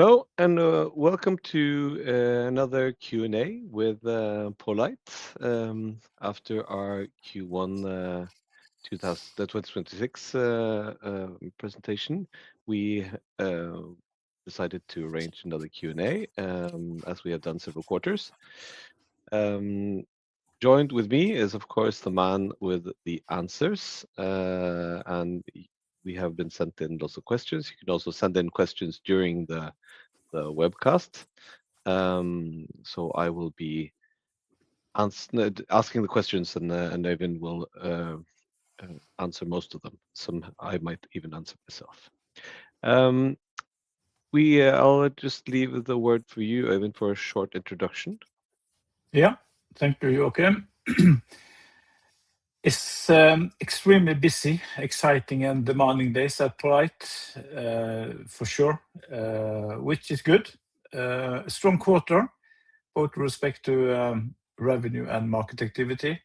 Hello, and welcome to another Q&A with poLight. After our Q1 2026 presentation, we decided to arrange another Q&A, as we have done several quarters. Joined with me is, of course, the man with the answers, and we have been sent in lots of questions. You can also send in questions during the webcast. I will be asking the questions and Øyvind will answer most of them. Some I might even answer myself. I'll just leave the word for you, Øyvind, for a short introduction. Yeah. Thank you, Joakim. It's extremely busy, exciting, and demanding days at poLight, for sure, which is good. Strong quarter, both with respect to revenue and market activity.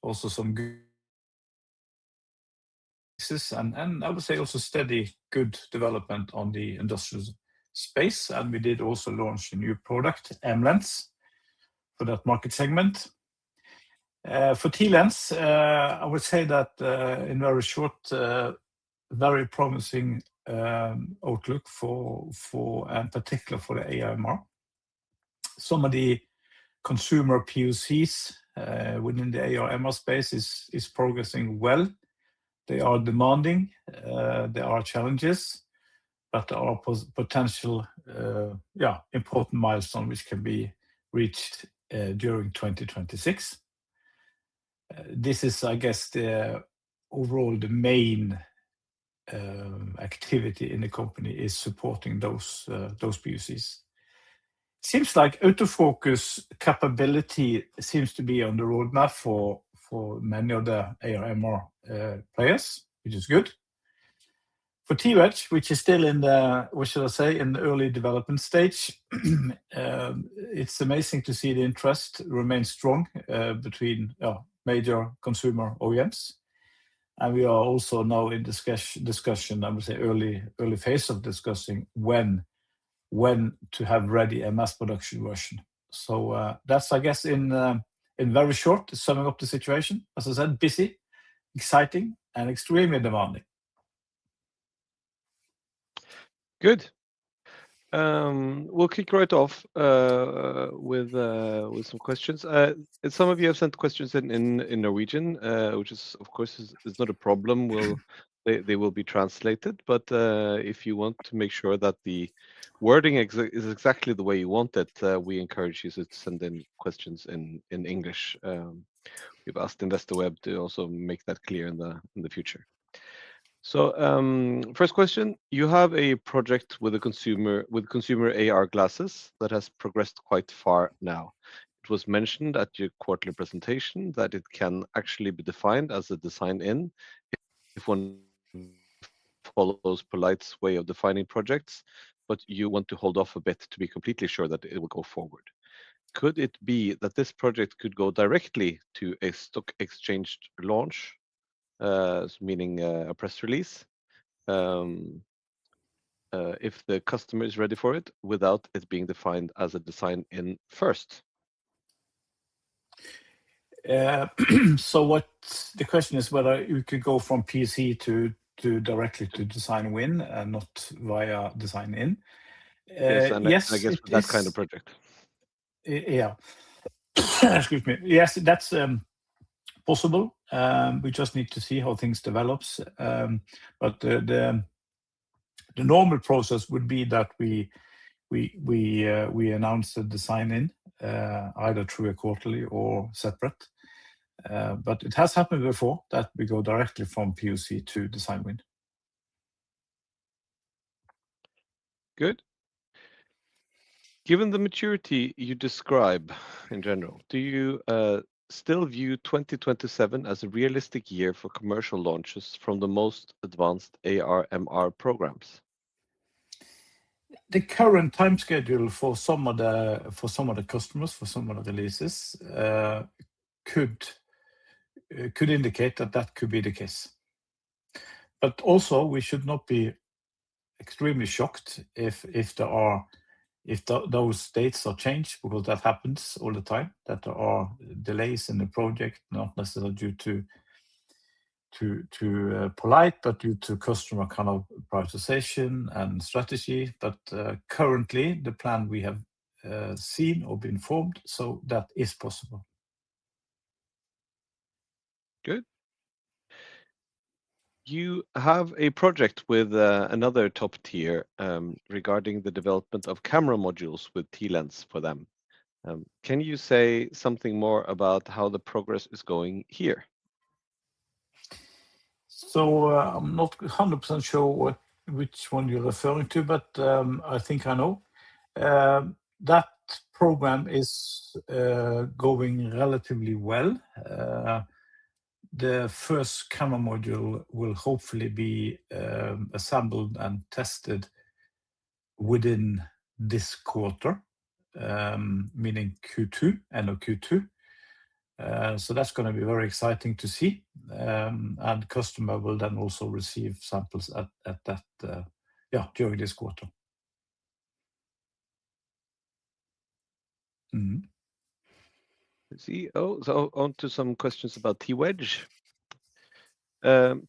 Also some good pieces and I would say also steady good development on the industrial space, and we did also launch a new product, MLens, for that market segment. For TLens, I would say that in very short, very promising outlook for and particular for the AR/MR. Some of the consumer POCs within the AR/MR space is progressing well. They are demanding, there are challenges, but there are potential important milestone which can be reached during 2026. This is, I guess, the overall the main activity in the company is supporting those POCs. Seems like autofocus capability seems to be on the roadmap for many of the AR/MR players, which is good. For TWedge, which is still in the early development stage, it's amazing to see the interest remain strong between major consumer OEMs. We are also now in discussion, I would say early phase of discussing when to have ready a mass production version. That's I guess in very short summing up the situation. As I said, busy, exciting and extremely demanding. Good. We'll kick right off with some questions. Some of you have sent questions in Norwegian, which is of course is not a problem. They will be translated, but if you want to make sure that the wording is exactly the way you want it, we encourage you to send in questions in English. We've asked Investorweb to also make that clear in the future. First question, you have a project with consumer AR glasses that has progressed quite far now. It was mentioned at your quarterly presentation that it can actually be defined as a design in if one follows poLight's way of defining projects, but you want to hold off a bit to be completely sure that it will go forward. Could it be that this project could go directly to a stock exchange launch, meaning a press release, if the customer is ready for it without it being defined as a design in first? What the question is whether we could go from PoC to directly to design win and not via design in. Yes, I guess that kind of project. Yeah. Excuse me. Yes, that's possible. We just need to see how things develops. The normal process would be that we announce the design in, either through a quarterly or separate. It has happened before that we go directly from POC to design win. Good. Given the maturity you describe in general, do you still view 2027 as a realistic year for commercial launches from the most advanced AR/MR programs? The current time schedule for some of the customers, for some of the leases could indicate that that could be the case. Also, we should not be extremely shocked if those dates are changed, because that happens all the time, that there are delays in the project, not necessarily due to poLight, but due to customer kind of prioritization and strategy. Currently, the plan we have seen or been informed, that is possible. Good. You have a project with another top tier regarding the development of camera modules with TLens for them. Can you say something more about how the progress is going here? I'm not 100% sure which one you're referring to, but I think I know. That program is going relatively well. The first camera module will hopefully be assembled and tested within this quarter. Meaning Q2, end of Q2. That's gonna be very exciting to see. Customer will then also receive samples at that, yeah, during this quarter. Let's see. Onto some questions about TWedge.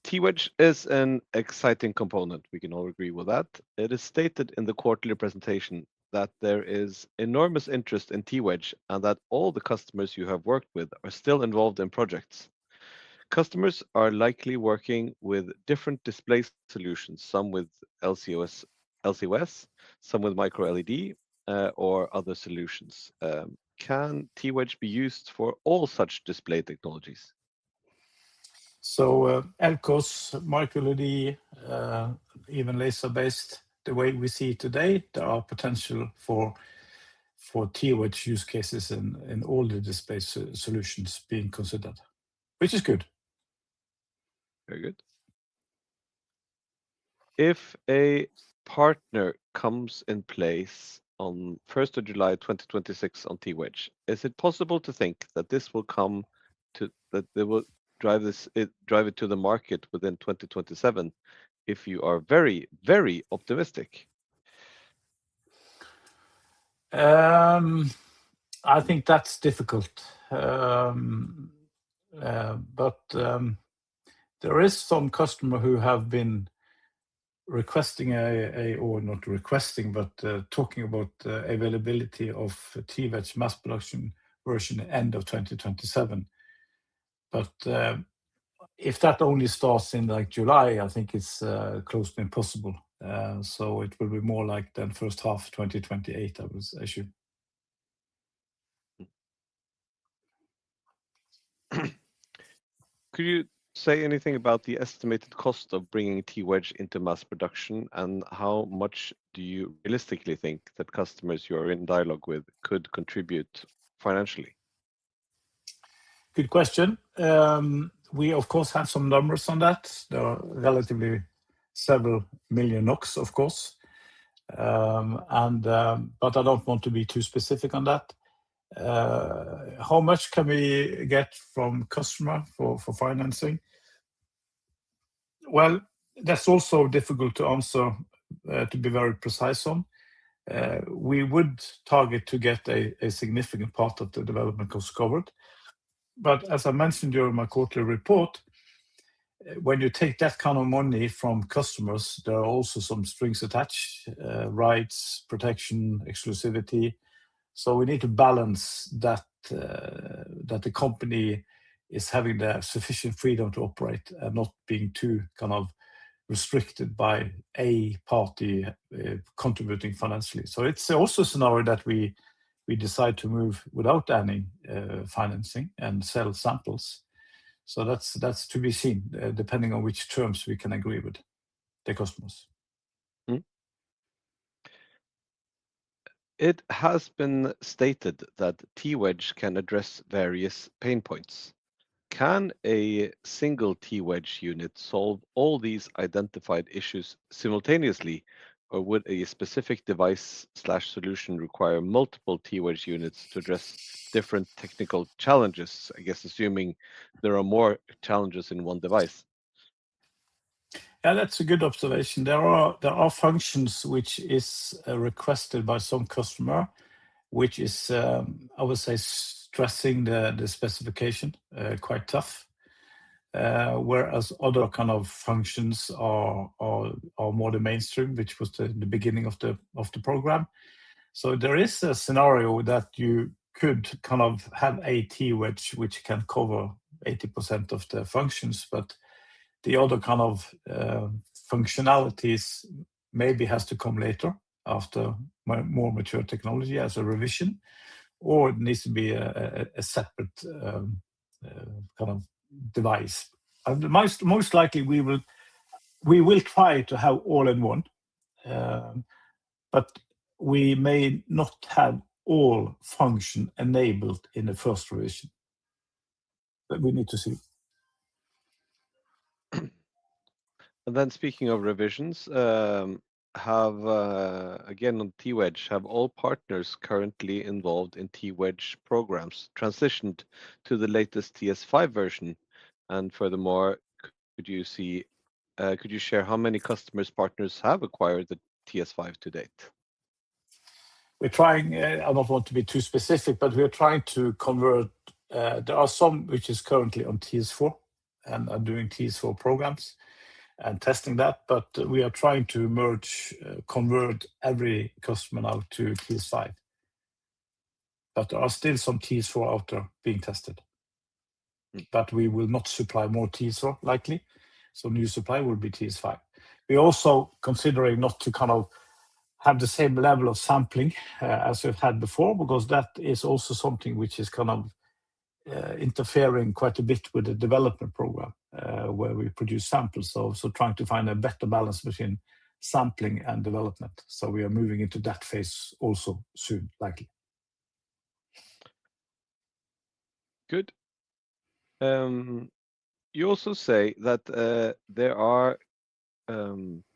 TWedge is an exciting component. We can all agree with that. It is stated in the quarterly presentation that there is enormous interest in TWedge, and that all the customers you have worked with are still involved in projects. Customers are likely working with different display solutions, some with LCOS, some with MicroLED or other solutions. Can TWedge be used for all such display technologies? LCOS, MicroLED, even laser-based, the way we see it today, there are potential for TWedge use cases in all the display solutions being considered, which is good. Very good. If a partner comes in place on July 1st, 2026 on TWedge, is it possible to think that this will come to that they will drive this, drive it to the market within 2027 if you are very, very optimistic? I think that's difficult. There is some customer who have been requesting or not requesting, talking about availability of TWedge mass production version end of 2027. If that only starts in like July, I think it's close to impossible. It will be more like the first half 2028, I would assume. Could you say anything about the estimated cost of bringing TWedge into mass production, and how much do you realistically think that customers you are in dialogue with could contribute financially? Good question. We of course have some numbers on that. There are relatively several million NOK, of course. I don't want to be too specific on that. How much can we get from customer for financing? Well, that's also difficult to answer, to be very precise on. We would target to get a significant part of the development cost covered. As I mentioned during my quarterly report, when you take that kind of money from customers, there are also some strings attached, rights, protection, exclusivity. We need to balance that the company is having the sufficient freedom to operate and not being too kind of restricted by a party, contributing financially. It's also a scenario that we decide to move without any financing and sell samples. That's to be seen, depending on which terms we can agree with the customers. Mm-hmm. It has been stated that TWedge can address various pain points. Can a single TWedge unit solve all these identified issues simultaneously, or would a specific device/solution require multiple TWedge units to address different technical challenges? I guess assuming there are more challenges in one device. Yeah, that's a good observation. There are functions which is requested by some customer, which is, I would say stressing the specification quite tough. Whereas other kind of functions are more the mainstream, which was the beginning of the program. There is a scenario that you could kind of have a TWedge which can cover 80% of the functions, but the other kind of functionalities maybe has to come later after more mature technology as a revision, or it needs to be a separate kind of device. Most likely we will try to have all in one, but we may not have all function enabled in the first revision. We need to see. Speaking of revisions, again on TWedge, have all partners currently involved in TWedge programs transitioned to the latest TS5 version? Furthermore, could you see, could you share how many customers, partners have acquired the TS5 to date? We're trying, I don't want to be too specific, but we are trying to convert. There are some which is currently on TS4 and are doing TS4 programs and testing that. We are trying to merge, convert every customer now to TS5. There are still some TS4 out there being tested. We will not supply more TS4 likely, so new supply will be TS5. We also considering not to kind of have the same level of sampling as we've had before, because that is also something which is kind of, interfering quite a bit with the development program, where we produce samples. Trying to find a better balance between sampling and development. We are moving into that phase also soon likely. Good. You also say that there are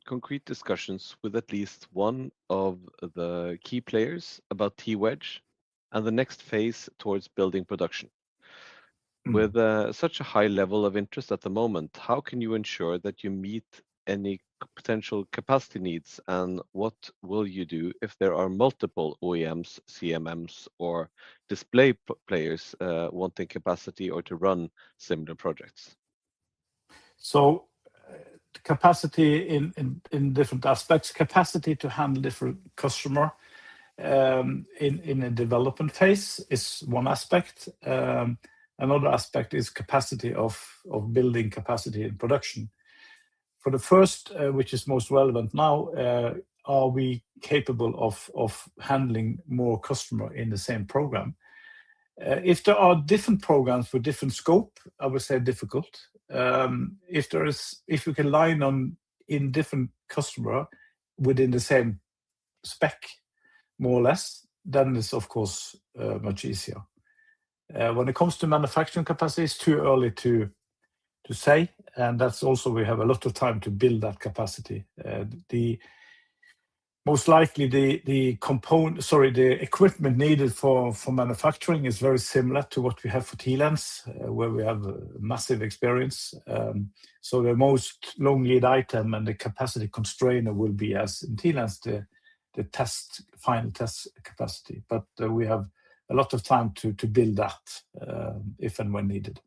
concrete discussions with at least one of the key players about TWedge and the next phase towards building production. With such a high level of interest at the moment, how can you ensure that you meet any potential capacity needs, and what will you do if there are multiple OEMs, CMMs, or display players, wanting capacity or to run similar projects? Capacity in different aspects, capacity to handle different customer in a development phase is one aspect. Another aspect is capacity of building capacity in production. For the first, which is most relevant now, are we capable of handling more customer in the same program? If there are different programs for different scope, I would say difficult. If we can line on in different customer within the same spec, more or less, then it's of course much easier. When it comes to manufacturing capacity, it's too early to say, and that's also we have a lot of time to build that capacity. The most likely the equipment needed for manufacturing is very similar to what we have for TLens, where we have massive experience. The most long lead item and the capacity constraint will be as in TLens, the test, final test capacity. We have a lot of time to build that, if and when needed.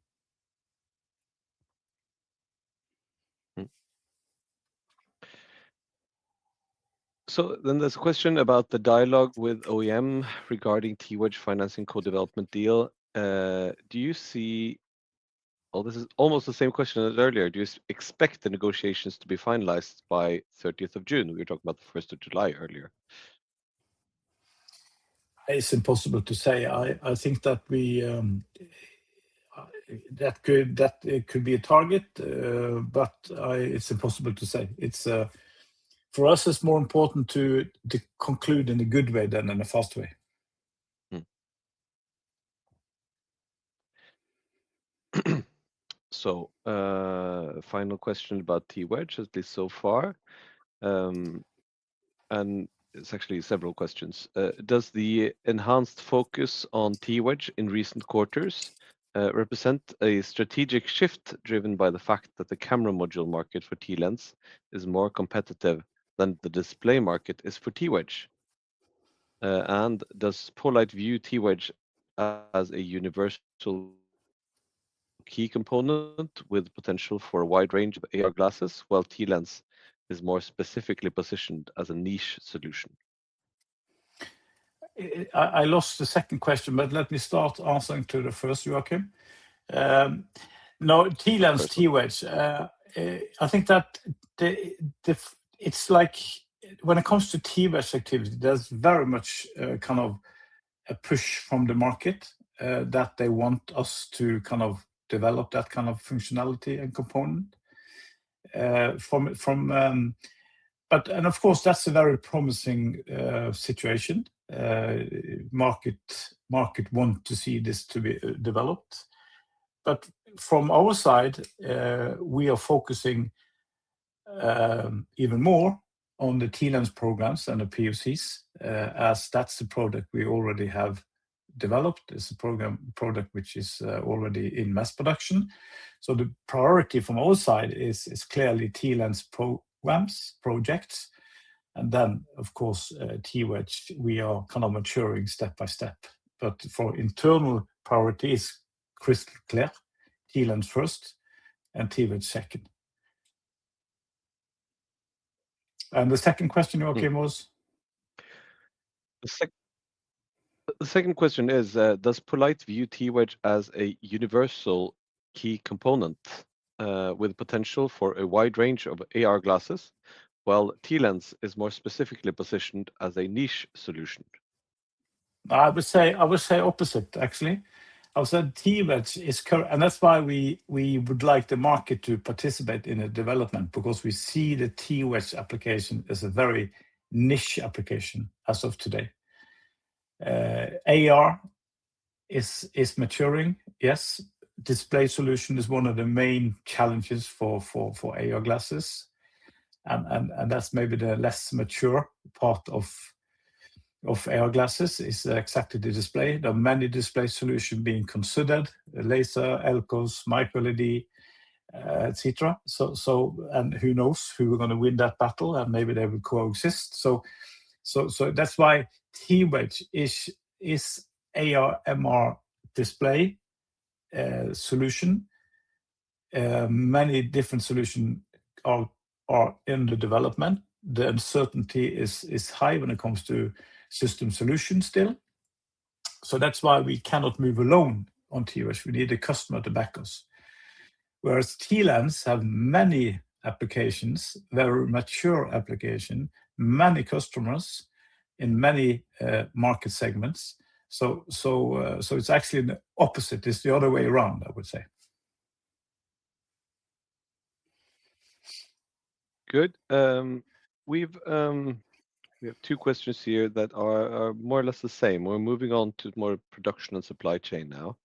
There's a question about the dialogue with OEM regarding TWedge financing co-development deal. Well, this is almost the same question as earlier. Do you expect the negotiations to be finalized by 30th of June? We were talking about the first of July earlier. It's impossible to say. I think that we that could be a target, but it's impossible to say. It's for us, it's more important to conclude in a good way than in a fast way. Final question about TWedge at least so far, and it's actually several questions. Does the enhanced focus on TWedge in recent quarters represent a strategic shift driven by the fact that the camera module market for TLens is more competitive than the display market is for TWedge? Does poLight view TWedge as a universal key component with potential for a wide range of AR glasses, while TLens is more specifically positioned as a niche solution? I lost the second question. Let me start answering to the first, Joakim. No, TLens, TWedge, I think that the like when it comes to TWedge activity, there's very much kind of a push from the market that they want us to kind of develop that kind of functionality and component from. Of course, that's a very promising situation. Market wants to see this to be developed. From our side, we are focusing even more on the TLens programs and the POCs, as that's the product we already have developed. It's a program product which is already in mass production. The priority from our side is clearly TLens programs, projects. Of course, TWedge, we are kind of maturing step by step. For internal priorities, crystal clear, TLens first and TWedge second. The second question, Joakim, was? The second question is, does poLight view TWedge as a universal key component, with potential for a wide range of AR glasses, while TLens is more specifically positioned as a niche solution? I would say opposite, actually. I would say TWedge is and that's why we would like the market to participate in the development because we see the TWedge application as a very niche application as of today. AR is maturing, yes. Display solution is one of the main challenges for AR glasses, and that's maybe the less mature part of AR glasses is exactly the display. There are many display solution being considered, laser, LCOS, MicroLED, et cetera. And who knows who are gonna win that battle, and maybe they will coexist. That's why TWedge is AR, MR display solution. Many different solutions are in the development. The uncertainty is high when it comes to system solution still. That's why we cannot move alone on TWedge. We need a customer to back us. Whereas TLens have many applications, very mature application, many customers in many market segments. It's actually the opposite. It's the other way around, I would say. Good. We've, we have two questions here that are more or less the same. We're moving on to more production and supply chain now.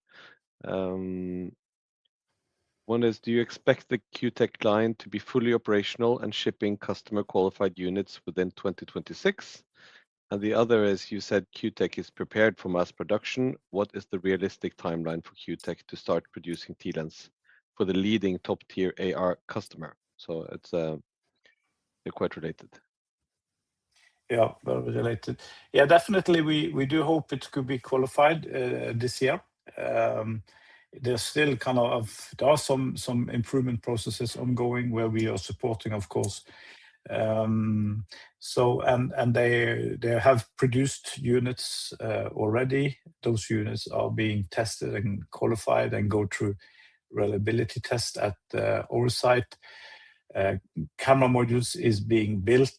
One is, do you expect the Q-Tech line to be fully operational and shipping customer qualified units within 2026? The other is, you said Q-Tech is prepared for mass production. What is the realistic timeline for Q-Tech to start producing TLens for the leading top-tier AR customer? They're quite related. Yeah, very related. Yeah, definitely we do hope it could be qualified this year. There are some improvement processes ongoing where we are supporting, of course. They have produced units already. Those units are being tested and qualified and go through reliability test at our site. Camera modules is being built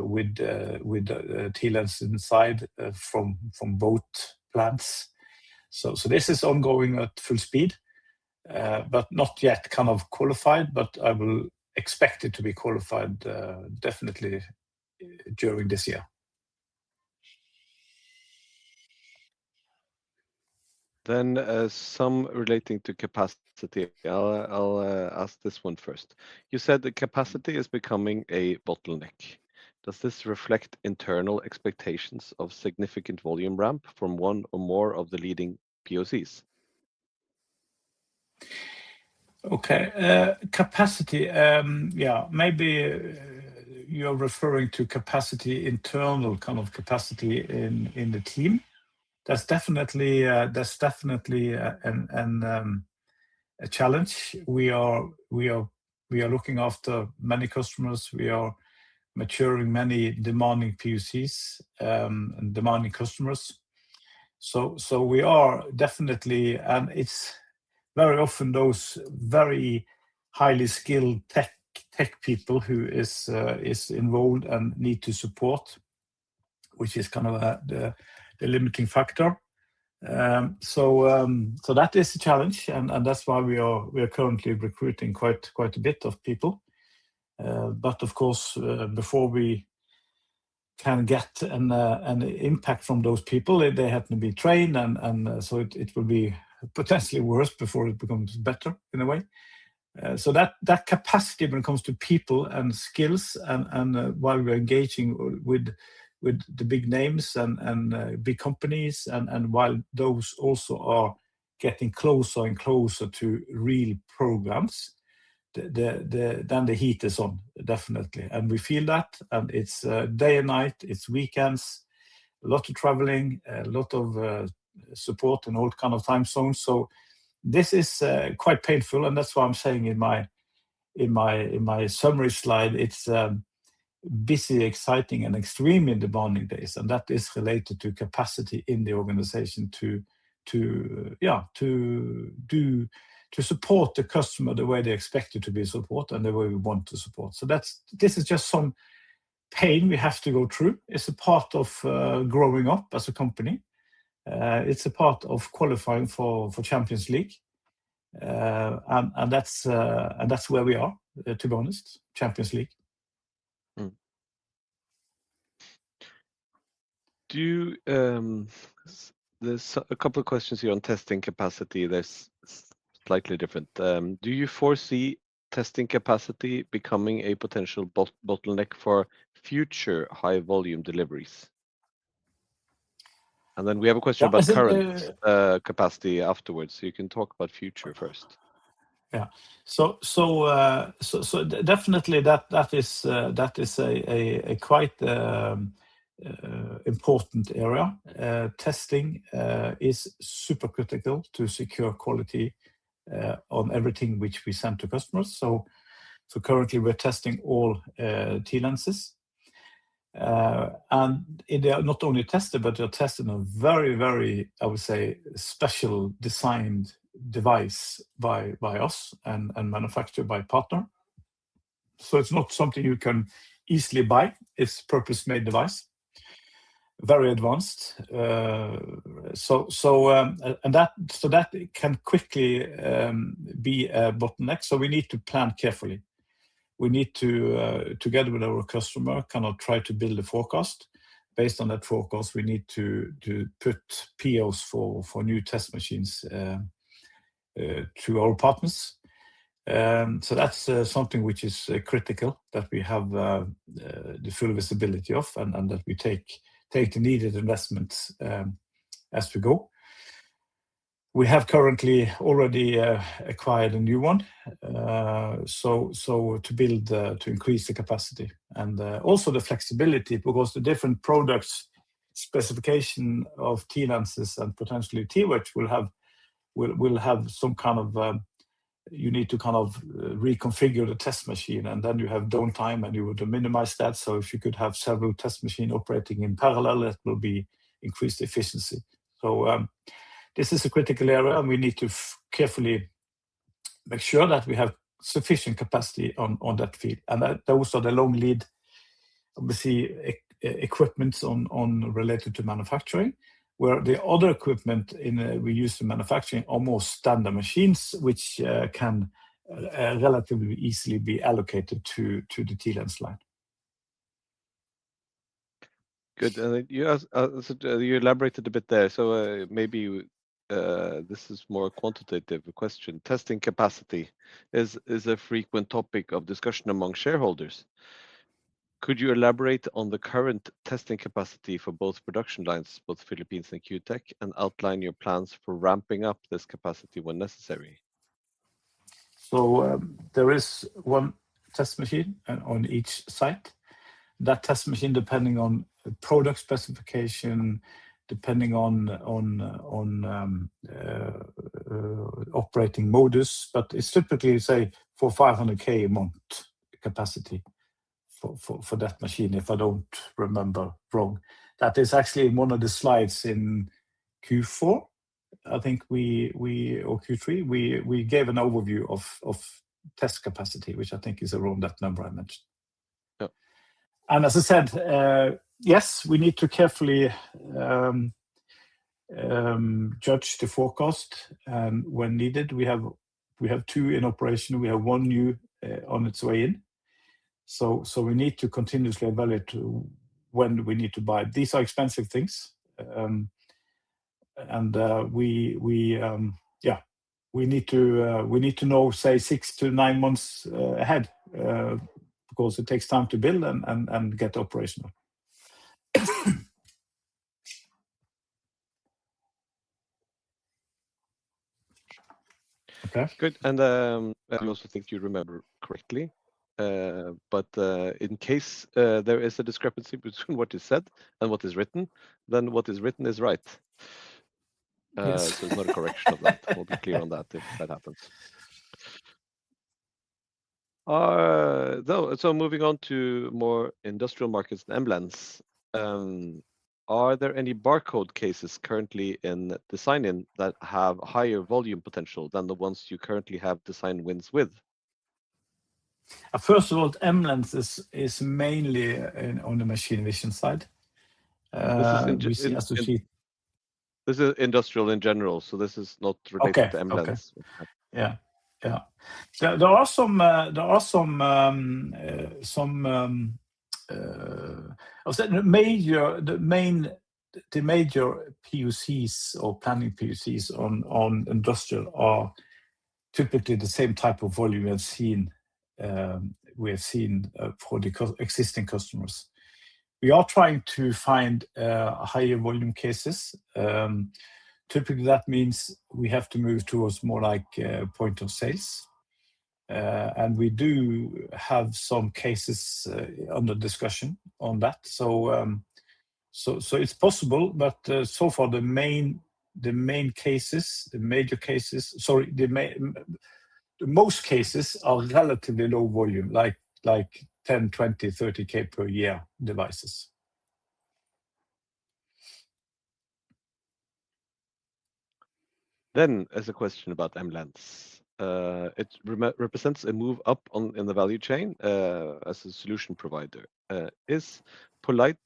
with TLens inside from both plants. This is ongoing at full speed, but not yet qualified, but I will expect it to be qualified definitely during this year. Some relating to capacity. I'll ask this one first. You said the capacity is becoming a bottleneck. Does this reflect internal expectations of significant volume ramp from one or more of the leading POCs? Okay. Capacity, yeah, maybe you're referring to capacity, internal kind of capacity in the team. That's definitely a challenge. We are looking after many customers. We are maturing many demanding POCs and demanding customers. We are definitely. It's very often those very highly skilled tech people who is involved and need to support, which is kind of the limiting factor. That is a challenge, and that's why we are currently recruiting quite a bit of people. Of course, before we can get an impact from those people, they have to be trained and so it will be potentially worse before it becomes better in a way. That capacity when it comes to people and skills while we're engaging with the big name's big companies, while those also are getting closer and closer to real programs, then the heat is on, definitely. We feel that it's day and night, it's weekends, a lot of traveling, a lot of support in all kinds of time zones. This is quite painful, and that's why I'm saying in my summary slide, it's busy, exciting and extremely demanding days, and that is related to capacity in the organization to support the customer the way they expect you to be support and the way we want to support. This is just some pain we have to go through. It's a part of growing up as a company. It's a part of qualifying for Champions League. That's where we are, to be honest, Champions League. Mm-hmm. There's a couple of questions here on testing capacity that's slightly different. Do you foresee testing capacity becoming a potential bottleneck for future high volume deliveries? Then we have a question about. Yeah, I think. Capacity afterwards. You can talk about future first. Definitely that is a quite important area. Testing is super critical to secure quality on everything which we send to customers. Currently we're testing all TLenses. They are not only tested, but they're tested in a very, I would say, special designed device by us and manufactured by partner. It's not something you can easily buy. It's purpose-made device, very advanced. That can quickly be a bottleneck. We need to plan carefully. We need to, together with our customer, kind of try to build a forecast. Based on that forecast, we need to put POs for new test machines to our partners. That's something which is critical that we have the full visibility of, and that we take the needed investments as we go. We have currently already acquired a new one, so to build, to increase the capacity and also the flexibility because the different products, specification of TLenses and potentially TWedge will have some kind of, you need to kind of reconfigure the test machine, and then you have downtime, and you want to minimize that. If you could have several test machine operating in parallel, it will be increased efficiency. This is a critical area, and we need to carefully make sure that we have sufficient capacity on that field. Those are the long lead obviously equipment on related to manufacturing, where the other equipment in, we use the manufacturing are more standard machines, which can relatively easily be allocated to the TLens line. Good. You as you elaborated a bit there, this is more quantitative question. Testing capacity is a frequent topic of discussion among shareholders. Could you elaborate on the current testing capacity for both production lines, both Philippines and Q-Tech, and outline your plans for ramping up this capacity when necessary? There is one test machine on each site. That test machine, depending on product specification, depending on operating modus. It's typically, say, 400K, 500K a month capacity for that machine, if I don't remember wrong. That is actually in one of the slides in Q4. I think we or Q3, we gave an overview of test capacity, which I think is around that number I mentioned. Yep. As I said, yes, we need to carefully judge the forecast when needed. We have two in operation. We have one new on its way in. We need to continuously evaluate when we need to buy. These are expensive things, and yeah, we need to know, say, six to nine months ahead because it takes time to build and get operational. Okay. Good. I also think you remember correctly. In case there is a discrepancy between what is said and what is written, what is written is right. Yes. There's not a correction of that. We'll be clear on that if that happens. Moving on to more industrial markets and MLens. Are there any barcode cases currently in design in that have higher volume potential than the ones you currently have design wins with? First of all, MLens is mainly in on the machine vision side. This is in- We see associated. This is industrial in general, so this is not related to MLens. Okay. Okay. Yeah. Yeah. There are some I would say the major POCs or planning POCs on industrial are typically the same type of volume we have seen for the existing customers. We are trying to find higher volume cases. Typically, that means we have to move towards more like point of sales. We do have some cases under discussion on that. It's possible, but so far most cases are relatively low volume, like 10K, 20K, 30K per year devices. As a question about MLens. It represents a move up on, in the value chain, as a solution provider. Is poLight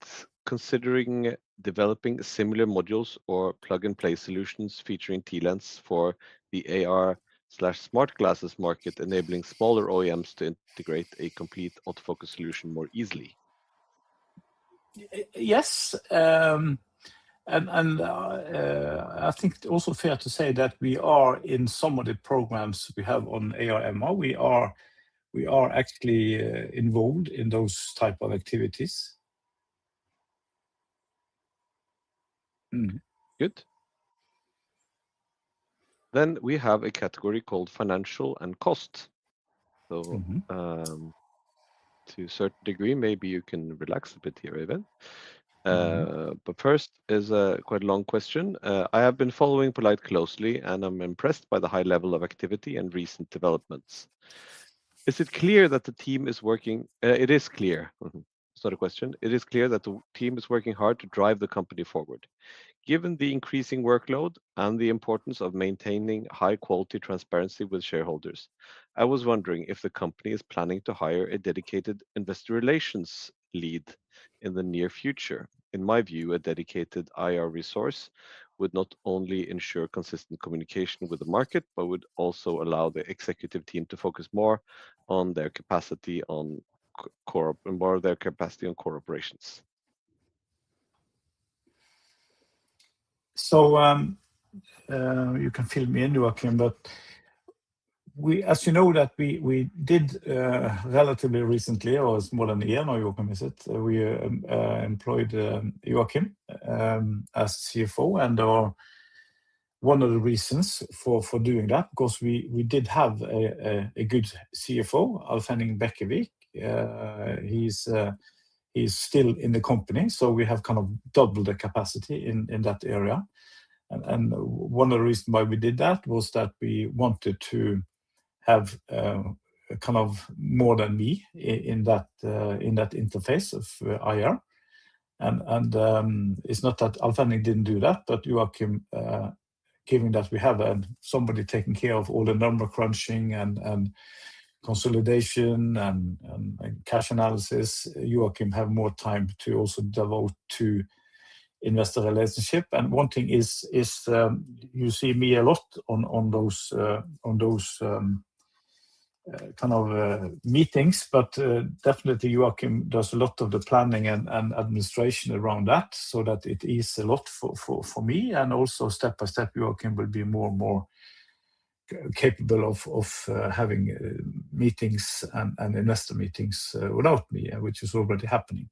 considering developing similar modules or plug-and-play solutions featuring TLens for the AR/smart glasses market, enabling smaller OEMs to integrate a complete autofocus solution more easily? Yes. I think also fair to say that we are in some of the programs we have on AR/MR. We are actually involved in those type of activities. Good. We have a category called financial and cost. To a certain degree, maybe you can relax a bit here Øyvind. First is a quite long question. I have been following poLight closely, and I'm impressed by the high level of activity and recent developments. It is clear that the team is working hard to drive the company forward. Given the increasing workload and the importance of maintaining high-quality transparency with shareholders, I was wondering if the company is planning to hire a dedicated investor relations lead in the near future. In my view, a dedicated IR resource would not only ensure consistent communication with the market but would also allow the executive team to focus more of their capacity on core operations. You can fill me in, Joakim, as you know that we did relatively recently, or it's more than one year now, Joakim, is it? We employed Joakim as CFO, one of the reasons for doing that, because we did have a good CFO, Alf Henning Bekkevik. He's still in the company, we have kind of doubled the capacity in that area. One of the reasons why we did that was that we wanted to have kind of more than me in that interface of IR. It's not that Alf Henning didn't do that, but Joakim, given that we have somebody taking care of all the number crunching and consolidation and cash analysis, Joakim have more time to also devote to investor relationship. One thing is, you see me a lot on those kinds of meetings, definitely Joakim does a lot of the planning and administration around that so that it is a lot for me. Also step by step, Joakim will be more and more capable of having meetings and investor meetings without me, which is already happening.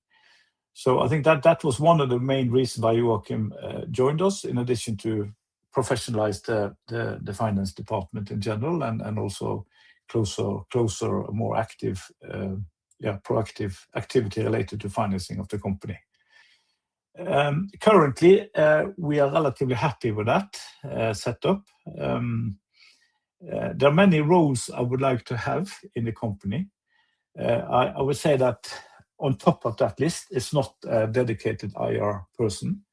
I think that was one of the main reasons why Joakim joined us, in addition to professionalize the finance department in general and also more active, proactive activity related to financing of the company. Currently, we are relatively happy with that setup. There are many roles I would like to have in the company. I would say that on top of that list is not a dedicated IR person.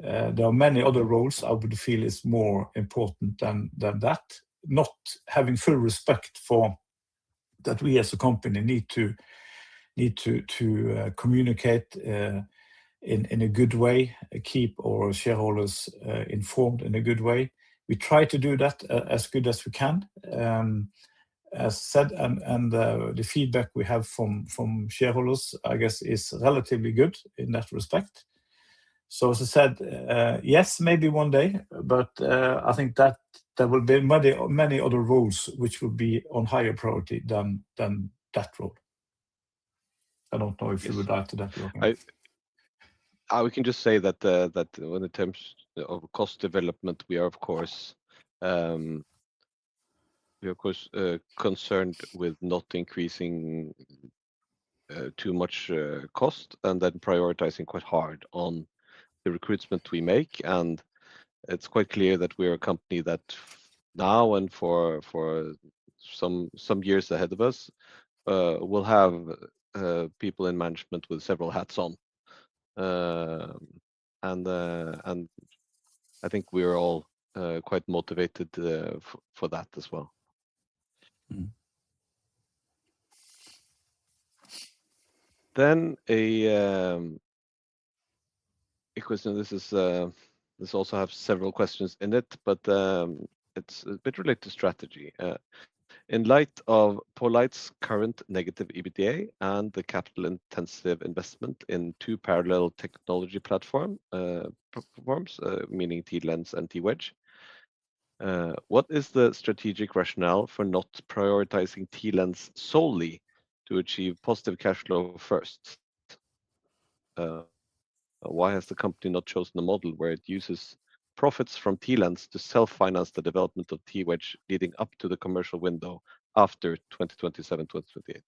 There are many other roles I would feel is more important than that. Not having full respect for that we as a company need to communicate in a good way, keep our shareholders informed in a good way. We try to do that as good as we can. As said, the feedback we have from shareholders, I guess, is relatively good in that respect. As I said, yes, maybe one day, I think that there will be many other roles which will be on higher priority than that role. I don't know if you would add to that, Joakim. I can just say that in terms of cost development, we are, of course, concerned with not increasing too much cost and then prioritizing quite hard on the recruitment we make. It's quite clear that we are a company that now and for some years ahead of us, will have people in management with several hats on. I think we are all quite motivated for that as well. A question. This also has several questions in it, but it's a bit related to strategy. In light of poLight's current negative EBITDA and the capital-intensive investment in two parallel technology platforms, meaning TLens and TWedge, what is the strategic rationale for not prioritizing TLens solely to achieve positive cash flow first? Why has the company not chosen a model where it uses profits from TLens to self-finance the development of TWedge leading up to the commercial window after 2027, 2028?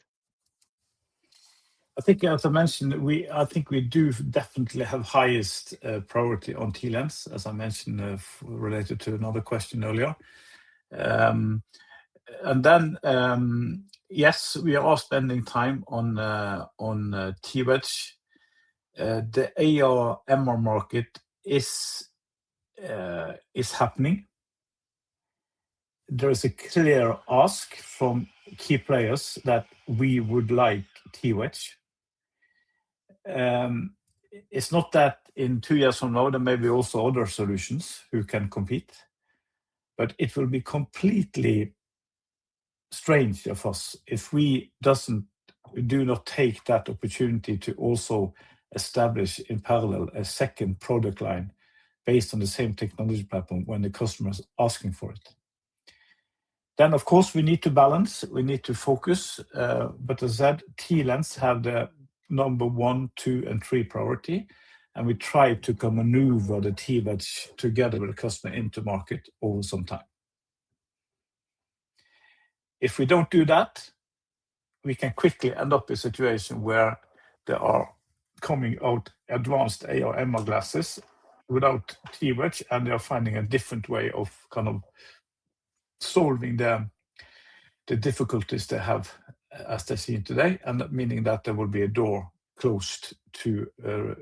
I think as I mentioned, I think we do definitely have highest priority on TLens, as I mentioned, related to another question earlier. Yes, we are all spending time on TWedge. The AR/MR market is happening. There is a clear ask from key players that we would like TWedge. It's not that in two years from now, there may be also other solutions who can compete, but it will be completely strange of us if we do not take that opportunity to also establish in parallel a second product line based on the same technology platform when the customer is asking for it. Of course, we need to balance, we need to focus, but as I said, TLens have the number one, two, and three priority, and we try to maneuver the TWedge together with the customer into market over some time. If we don't do that, we can quickly end up in a situation where there are coming out advanced AR/MR glasses without TWedge, and they are finding a different way of kind of solving the difficulties they have as they see it today, and meaning that there will be a door closed to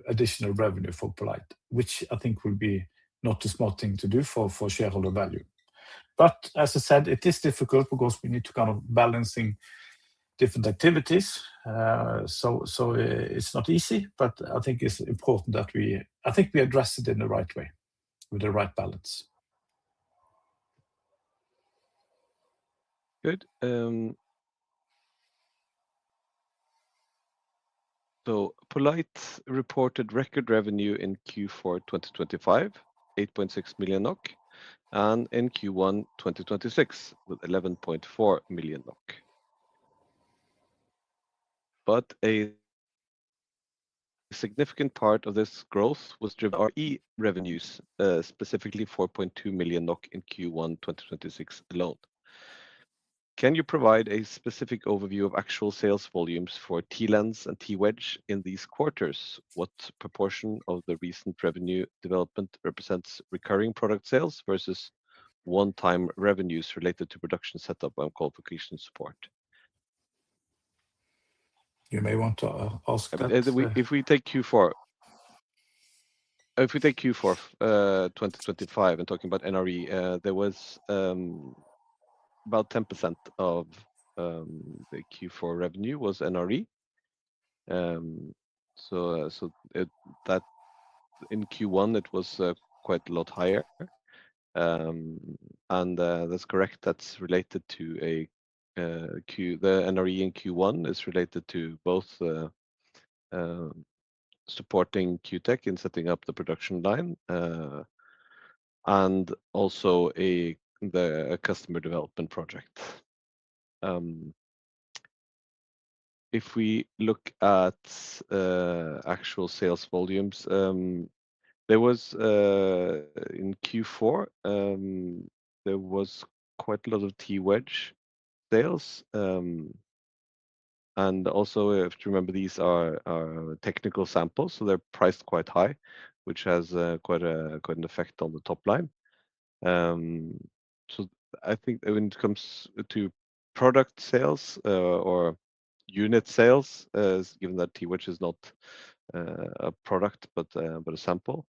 additional revenue for poLight, which I think will be not a small thing to do for shareholder value. As I said, it is difficult because we need to kind of balancing different activities. It's not easy, I think it's important I think we address it in the right way with the right balance. Good. poLight reported record revenue in Q4 2025, 8.6 million NOK, and in Q1 2026 with 11.4 million NOK. A significant part of this growth was driven NRE revenues, specifically 4.2 million NOK in Q1 2026 alone. Can you provide a specific overview of actual sales volumes for TLens and TWedge in these quarters? What proportion of the recent revenue development represents recurring product sales versus 1x revenues related to production setup and qualification support? You may want to ask that. If we take Q4, 2025 and talking about NRE, there was about 10% of the Q4 revenue was NRE. That in Q1 it was quite a lot higher. That's correct. The NRE in Q1 is related to both supporting Q-Tech in setting up the production line and also the customer development project. If we look at actual sales volumes, there was in Q4 quite a lot of TWedge sales. Also you have to remember these are technical samples, so they're priced quite high, which has quite an effect on the top line. I think when it comes to product sales, or unit sales, given that TWedge is not a product but a sample,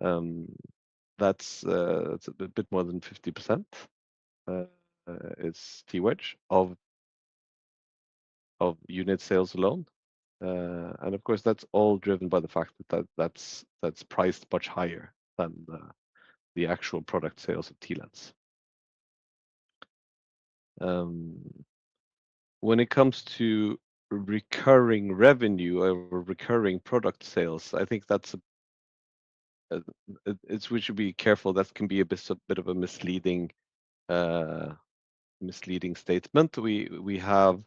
that's a bit more than 50% is TWedge of unit sales alone. Of course, that's all driven by the fact that that's priced much higher than the actual product sales of TLens. When it comes to recurring revenue or recurring product sales, I think we should be careful. That can be a bit of a misleading statement. We have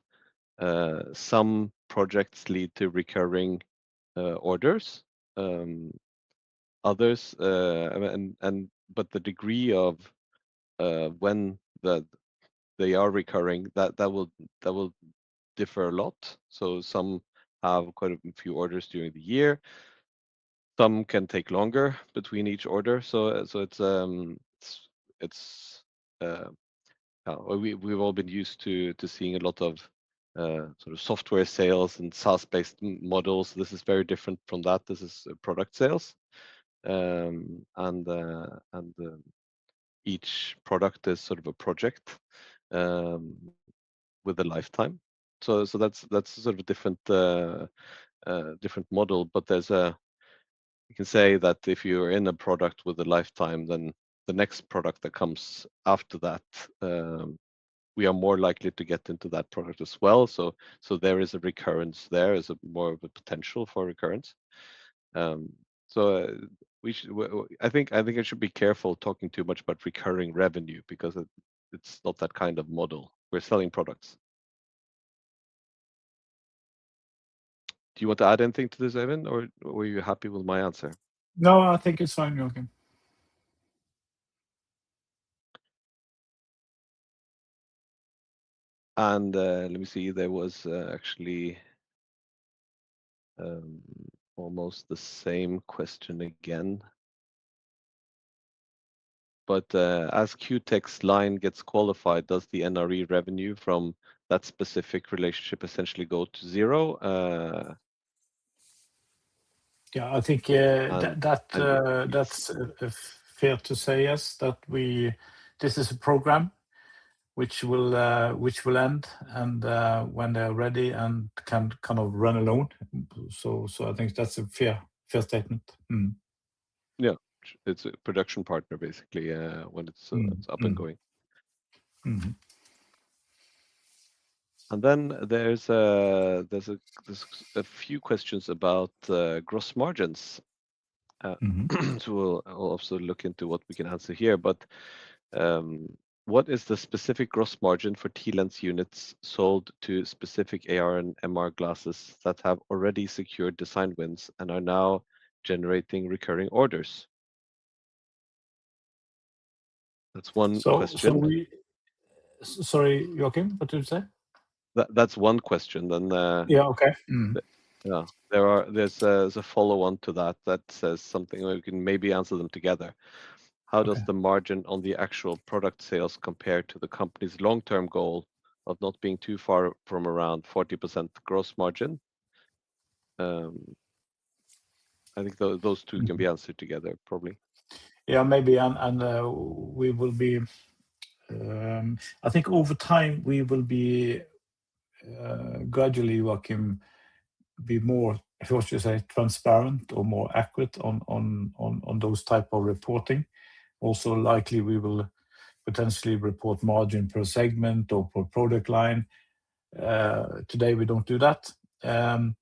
some projects lead to recurring orders, others, and but the degree of when that they are recurring, that will differ a lot. Some have quite a few orders during the year. Some can take longer between each order. It's, we've all been used to seeing a lot of sort of software sales and SaaS-based models. This is very different from that. This is product sales. Each product is sort of a project with a lifetime. That's sort of a different different model. You can say that if you're in a product with a lifetime, then the next product that comes after that, we are more likely to get into that product as well. There is a recurrence there. There's more of a potential for recurrence. I think I should be careful talking too much about recurring revenue because it's not that kind of model. We're selling products. Do you want to add anything to this, Øyvind, or were you happy with my answer? No, I think it's fine, Joakim. Let me see. There was actually almost the same question again. As Q-Tech's line gets qualified, does the NRE revenue from that specific relationship essentially go to zero? Yeah, I think, that’s fair to say, yes, that this is a program which will end and, when they’re ready and can kind of run alone. I think that’s a fair statement. Mm-hmm. Yeah. It's a production partner, basically, when it's up and going. There's a few questions about gross margins. We'll also look into what we can answer here. What is the specific gross margin for TLens units sold to specific AR and MR glasses that have already secured design wins and are now generating recurring orders? That's one question. Sorry, Joakim, what did you say? That's one question then. Yeah, okay. Mm-hmm. Yeah. There's a follow-on to that that says something. We can maybe answer them together. Okay. How does the margin on the actual product sales compare to the company's long-term goal of not being too far from around 40% gross margin? I think those two can be answered together, probably. Maybe. I think over time, we will be gradually working, be more, how should I say, transparent or more accurate on those type of reporting. Also, likely we will potentially report margin per segment or per product line. Today we don't do that. You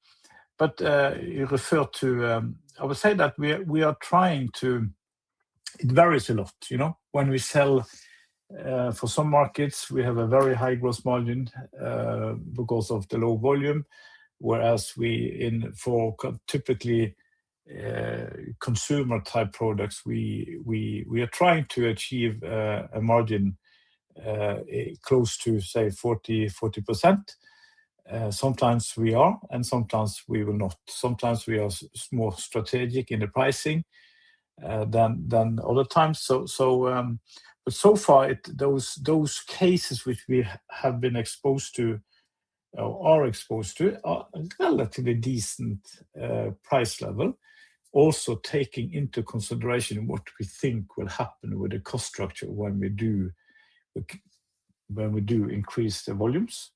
refer to, I would say that we are trying to. It varies a lot, you know. When we sell for some markets, we have a very high gross margin because of the low volume, whereas typically consumer-type products, we are trying to achieve a margin close to, say, 40%. Sometimes we are, and sometimes we will not. Sometimes we are more strategic in the pricing than other times. But so far, those cases which we have been exposed to are exposed to a relatively decent price level, also taking into consideration what we think will happen with the cost structure when we do increase the volumes.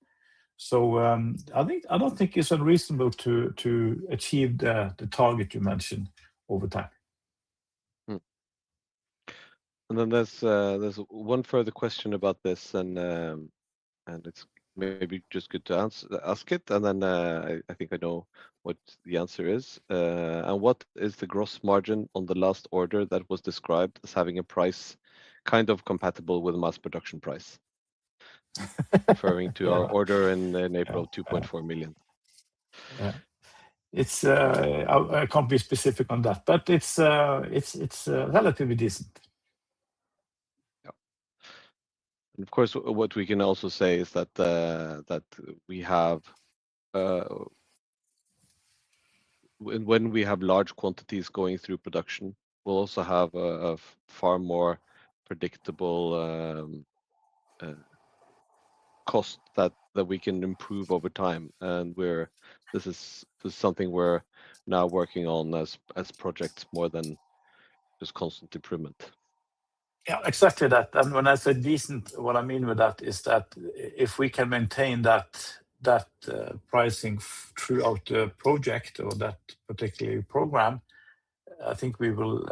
I don't think it's unreasonable to achieve the target you mentioned over time. There's one further question about this, and it's maybe just good to ask it, and then I think I know what the answer is. What is the gross margin on the last order that was described as having a price kind of compatible with a mass production price? Referring to our order in April, 2.4 million. I can't be specific on that, but it's relatively decent. Of course, what we can also say is that when we have large quantities going through production, we will also have a far more predictable cost that we can improve over time. This is something we are now working on as projects more than just constant improvement. Yeah, exactly that. When I say decent, what I mean with that is that if we can maintain that pricing throughout the project or that particular program, I think we will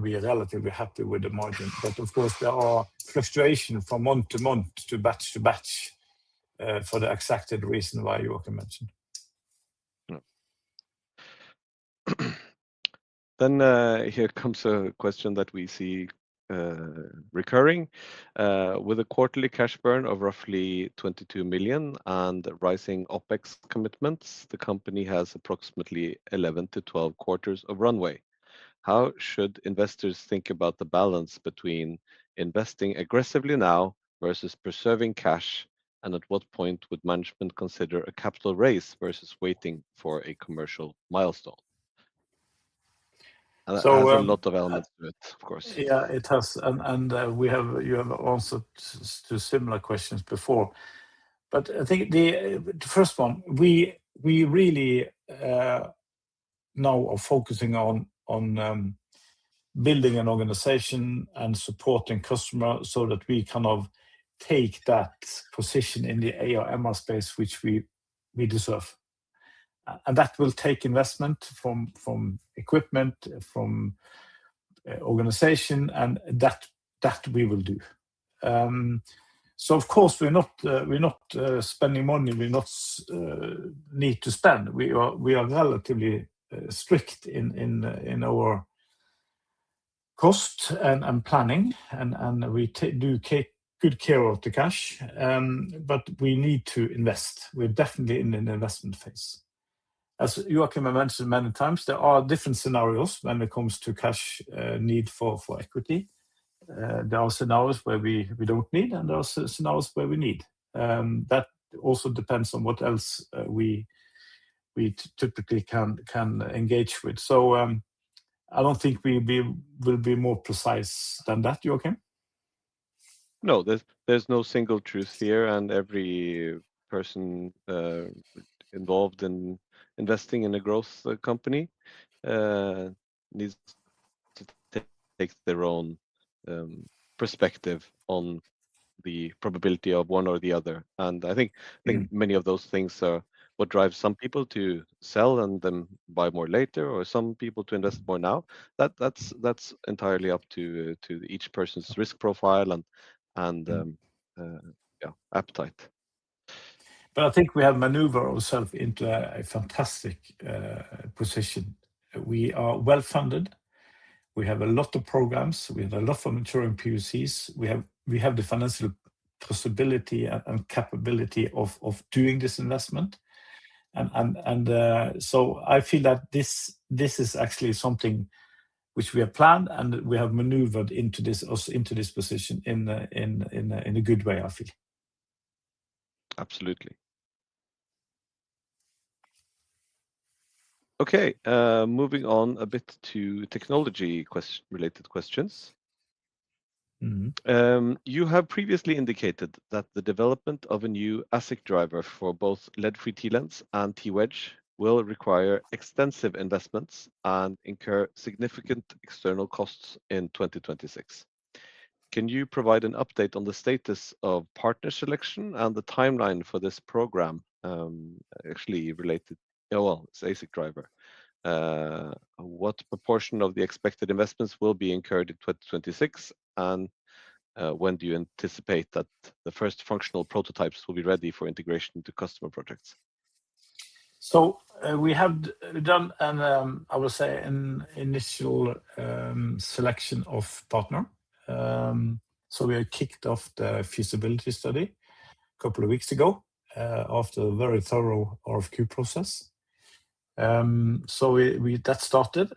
be relatively happy with the margin. Of course, there are fluctuations from month to month, to batch to batch, for the exact reason why Joakim mentioned. Here comes a question that we see recurring. With a quarterly cash burn of roughly 22 million and rising OPEX commitments, the company has approximately 11-12 quarters of runway. How should investors think about the balance between investing aggressively now versus preserving cash? At what point would management consider a capital raise versus waiting for a commercial milestone? That has a lot of elements to it, of course. Yeah, it has. You have answered two similar questions before. I think the first one, we really now are focusing on building an organization and supporting customers so that we kind of take that position in the AR/MR space which we deserve. That will take investment from equipment, from organization, and that we will do. Of course, we're not spending money we not need to spend. We are relatively strict in our cost and planning, and we do take good care of the cash. We need to invest. We're definitely in an investment phase. As Joakim mentioned many times, there are different scenarios when it comes to cash need for equity. There are scenarios where we don't need, and there are scenarios where we need. That also depends on what else we typically can engage with. I don't think we will be more precise than that, Joakim. No, there's no single truth here. Every person involved in investing in a growth company needs to take their own perspective on the probability of one or the other. I think many of those things are what drives some people to sell and then buy more later, or some people to invest more now. That's entirely up to each person's risk profile and appetite. I think we have maneuvered ourselves into a fantastic position. We are well-funded. We have a lot of programs. We have a lot of maturing POCs. We have the financial possibility and capability of doing this investment. I feel that this is actually something which we have planned and we have maneuvered into this position in a good way, I feel. Absolutely. Okay, moving on a bit to technology-related questions. You have previously indicated that the development of a new ASIC driver for both lead-free TLens and TWedge will require extensive investments and incur significant external costs in 2026. Can you provide an update on the status of partner selection and the timeline for this program actually related to ASIC driver? What proportion of the expected investments will be incurred in 2026? When do you anticipate that the first functional prototypes will be ready for integration into customer projects? We have done, I will say, an initial selection of partner. We have kicked off the feasibility study a couple of weeks ago after a very thorough RFQ process. That started.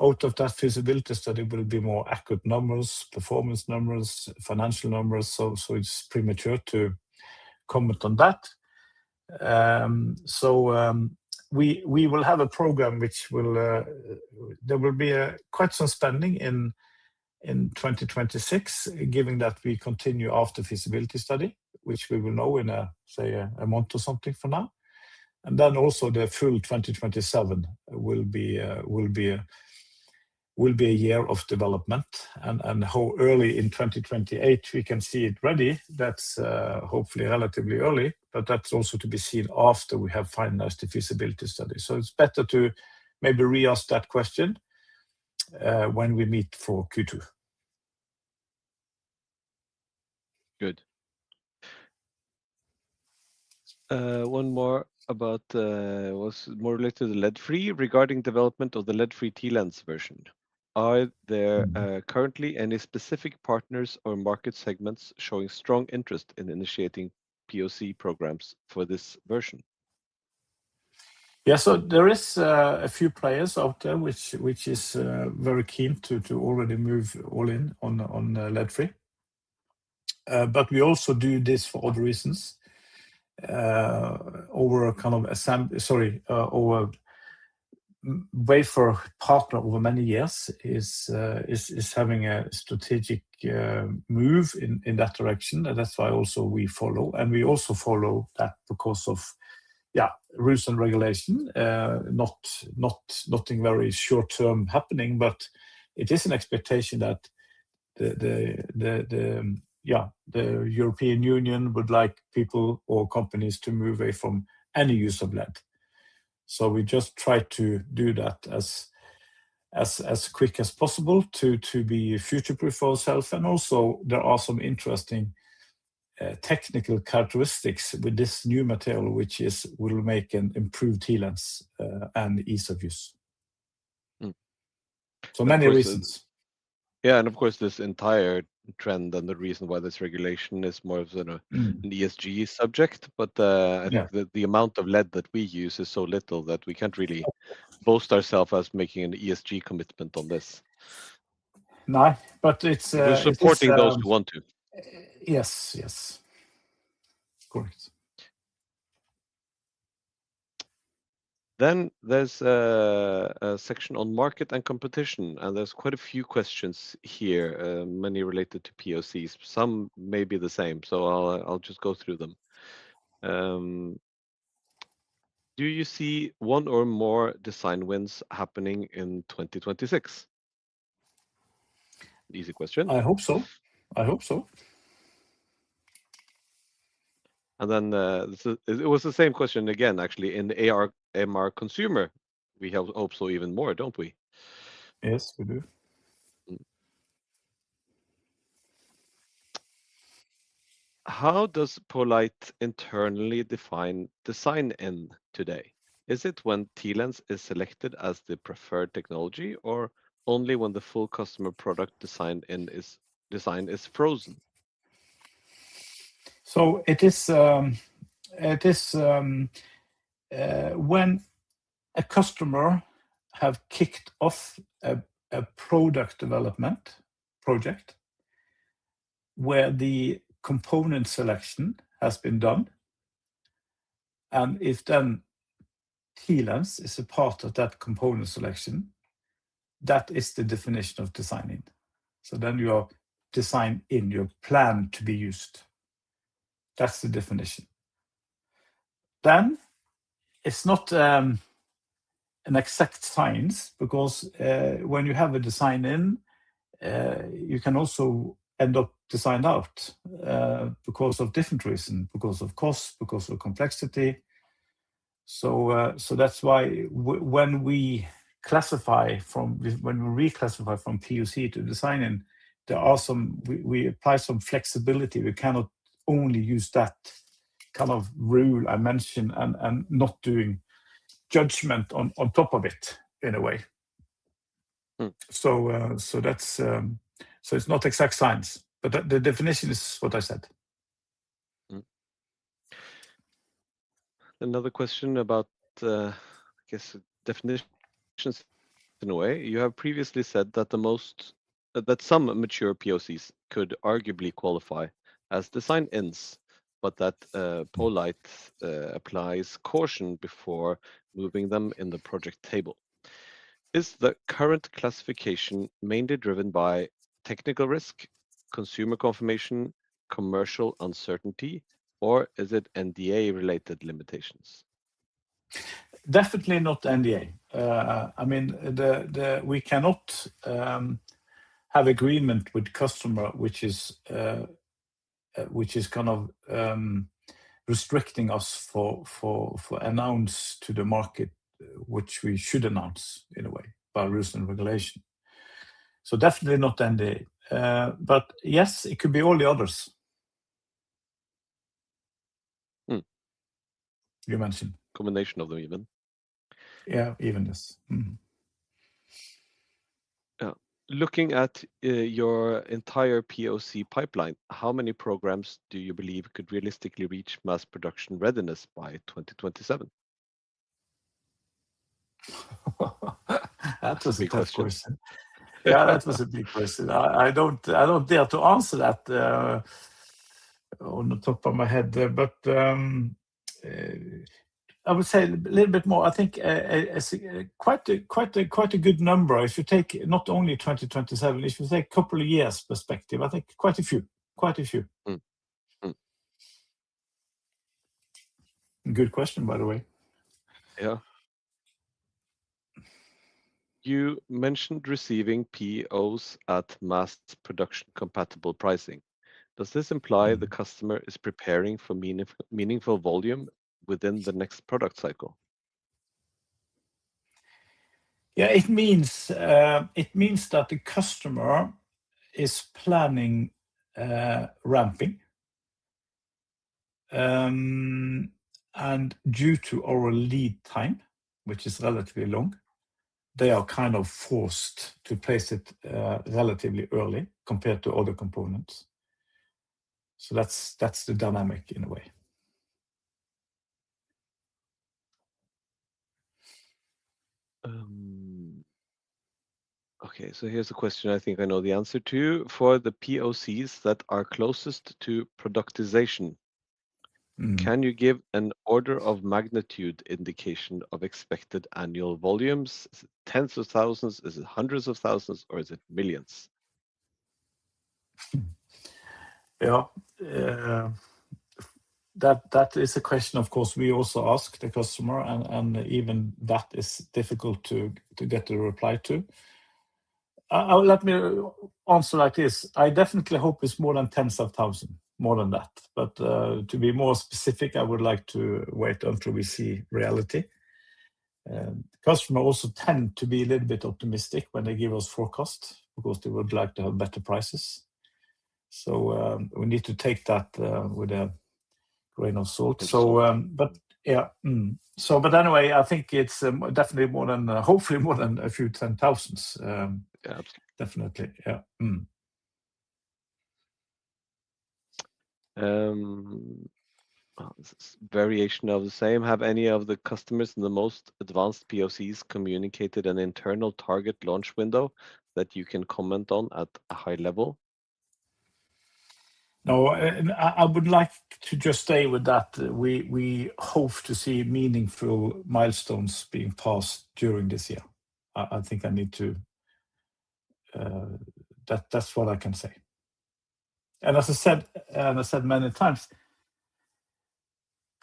Out of that feasibility study will be more accurate numbers, performance numbers, financial numbers. It's premature to comment on that. We will have a program which will, there will be quite some spending in 2026, given that we continue after feasibility study, which we will know in, say, a month or something from now. Then also the full 2027 will be a year of development. How early in 2028 we can see it ready, that's hopefully relatively early. That's also to be seen after we have finalized the feasibility study. It's better to maybe re-ask that question when we meet for Q2. Good. One more about, was more related to the lead-free regarding development of the lead-free TLens version. Are there currently any specific partners or market segments showing strong interest in initiating POC programs for this version? Yeah, there is a few players out there which is very keen to already move all in on lead-free. We also do this for other reasons. Our wafer partner over many years is having a strategic move in that direction. That's why also we follow. We also follow that because of rules and regulation. Not nothing very short-term happening, but it is an expectation that the European Union would like people or companies to move away from any use of lead. We just try to do that as quick as possible to be future-proof ourselves. Also there are some interesting technical characteristics with this new material which will make an improved TLens and ease of use. Many reasons. Yeah, of course this entire trend and the reason why this regulation is more of an ESG subject. I think the amount of lead that we use is so little that we can't really boast ourselves as making an ESG commitment on this. No, it's. We're supporting those who want to. Yes. Of course. There's a section on market and competition. There's quite a few questions here, many related to POCs. Some may be the same, so I'll just go through them. Do you see one or more design wins happening in 2026? Easy question. I hope so. I hope so. It was the same question again, actually. In AR/MR consumer, we hope so even more, don't we? Yes, we do. How does poLight internally define design in today? Is it when TLens is selected as the preferred technology or only when the full customer product design in is frozen? It is when a customer have kicked off a product development project where the component selection has been done. If then TLens is a part of that component selection, that is the definition of design in. Then you are design in, you plan to be used. That's the definition. It's not an exact science because when you have a design in, you can also end up design out because of different reason, because of cost, because of complexity. That's why when we classify from, when we reclassify from PoC to design in, there are some, we apply some flexibility. We cannot only use that kind of rule I mentioned and not doing judgment on top of it in a way. It's not exact science, but the definition is what I said. Another question about, I guess, definitions in a way. You have previously said that some mature POCs could arguably qualify as design ins, but that poLight applies caution before moving them in the project table. Is the current classification mainly driven by technical risk, consumer confirmation, commercial uncertainty, or is it NDA related limitations? Definitely not NDA. I mean, we cannot have agreement with customer, which is kind of restricting us for announce to the market, which we should announce in a way by recent regulation. Definitely not NDA, but yes, it could be all the others you mentioned. Combination of them Øyvind. Yeah, [Øyvind]. Looking at your entire POC pipeline, how many programs do you believe could realistically reach mass production readiness by 2027? That was a big question. Yeah, that was a big question. I don't dare to answer that on the top of my head there. I would say a little bit more, I think it's quite a good number. If you take not only 2027, if you take two years perspective, I think quite a few. Mm-hmm. Mm-hmm. Good question, by the way. Yeah. You mentioned receiving POs at mass production compatible pricing. Does this imply the customer is preparing for meaningful volume within the next product cycle? Yeah. It means that the customer is planning ramping. Due to our lead time, which is relatively long, they are kind of forced to place it relatively early compared to other components. That's the dynamic in a way. Okay. Here's a question I think I know the answer to. For the POCs that are closest to productization. Can you give an order of magnitude indication of expected annual volumes? 10s of thousands? Is it 100s of thousands or is it millions? Yeah. That is a question, of course, we also ask the customer and even that is difficult to get a reply to. Let me answer like this. I definitely hope it's more than 10s of thousands, more than that. To be more specific, I would like to wait until we see reality. The customer also tend to be a little bit optimistic when they give us forecast because they would like to have better prices. We need to take that with a grain of salt. Yeah. Anyway, I think it's definitely more than, hopefully more than a few 10,000. Yeah, definitely. Yeah. This is variation of the same. Have any of the customers in the most advanced POCs communicated an internal target launch window that you can comment on at a high level? No. I would like to just stay with that. We hope to see meaningful milestones being passed during this year. I think I need to. That's what I can say. As I said, and I said many times,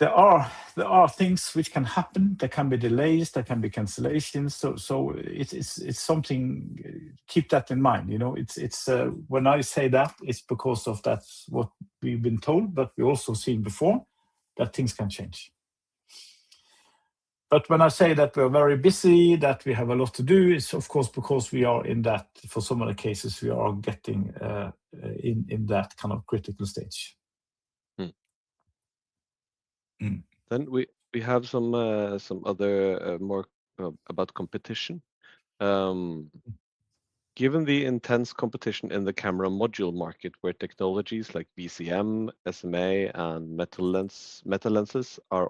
there are things which can happen. There can be delays, there can be cancellations. It's something, keep that in mind. You know, it's when I say that, it's because of that's what we've been told, but we also seen before that things can change. When I say that we're very busy, that we have a lot to do, it's of course because we are in that for so many cases, we are getting in that kind of critical stage. We have some other, more, about competition. Given the intense competition in the camera module market where technologies like VCM, SMA, and metalenses are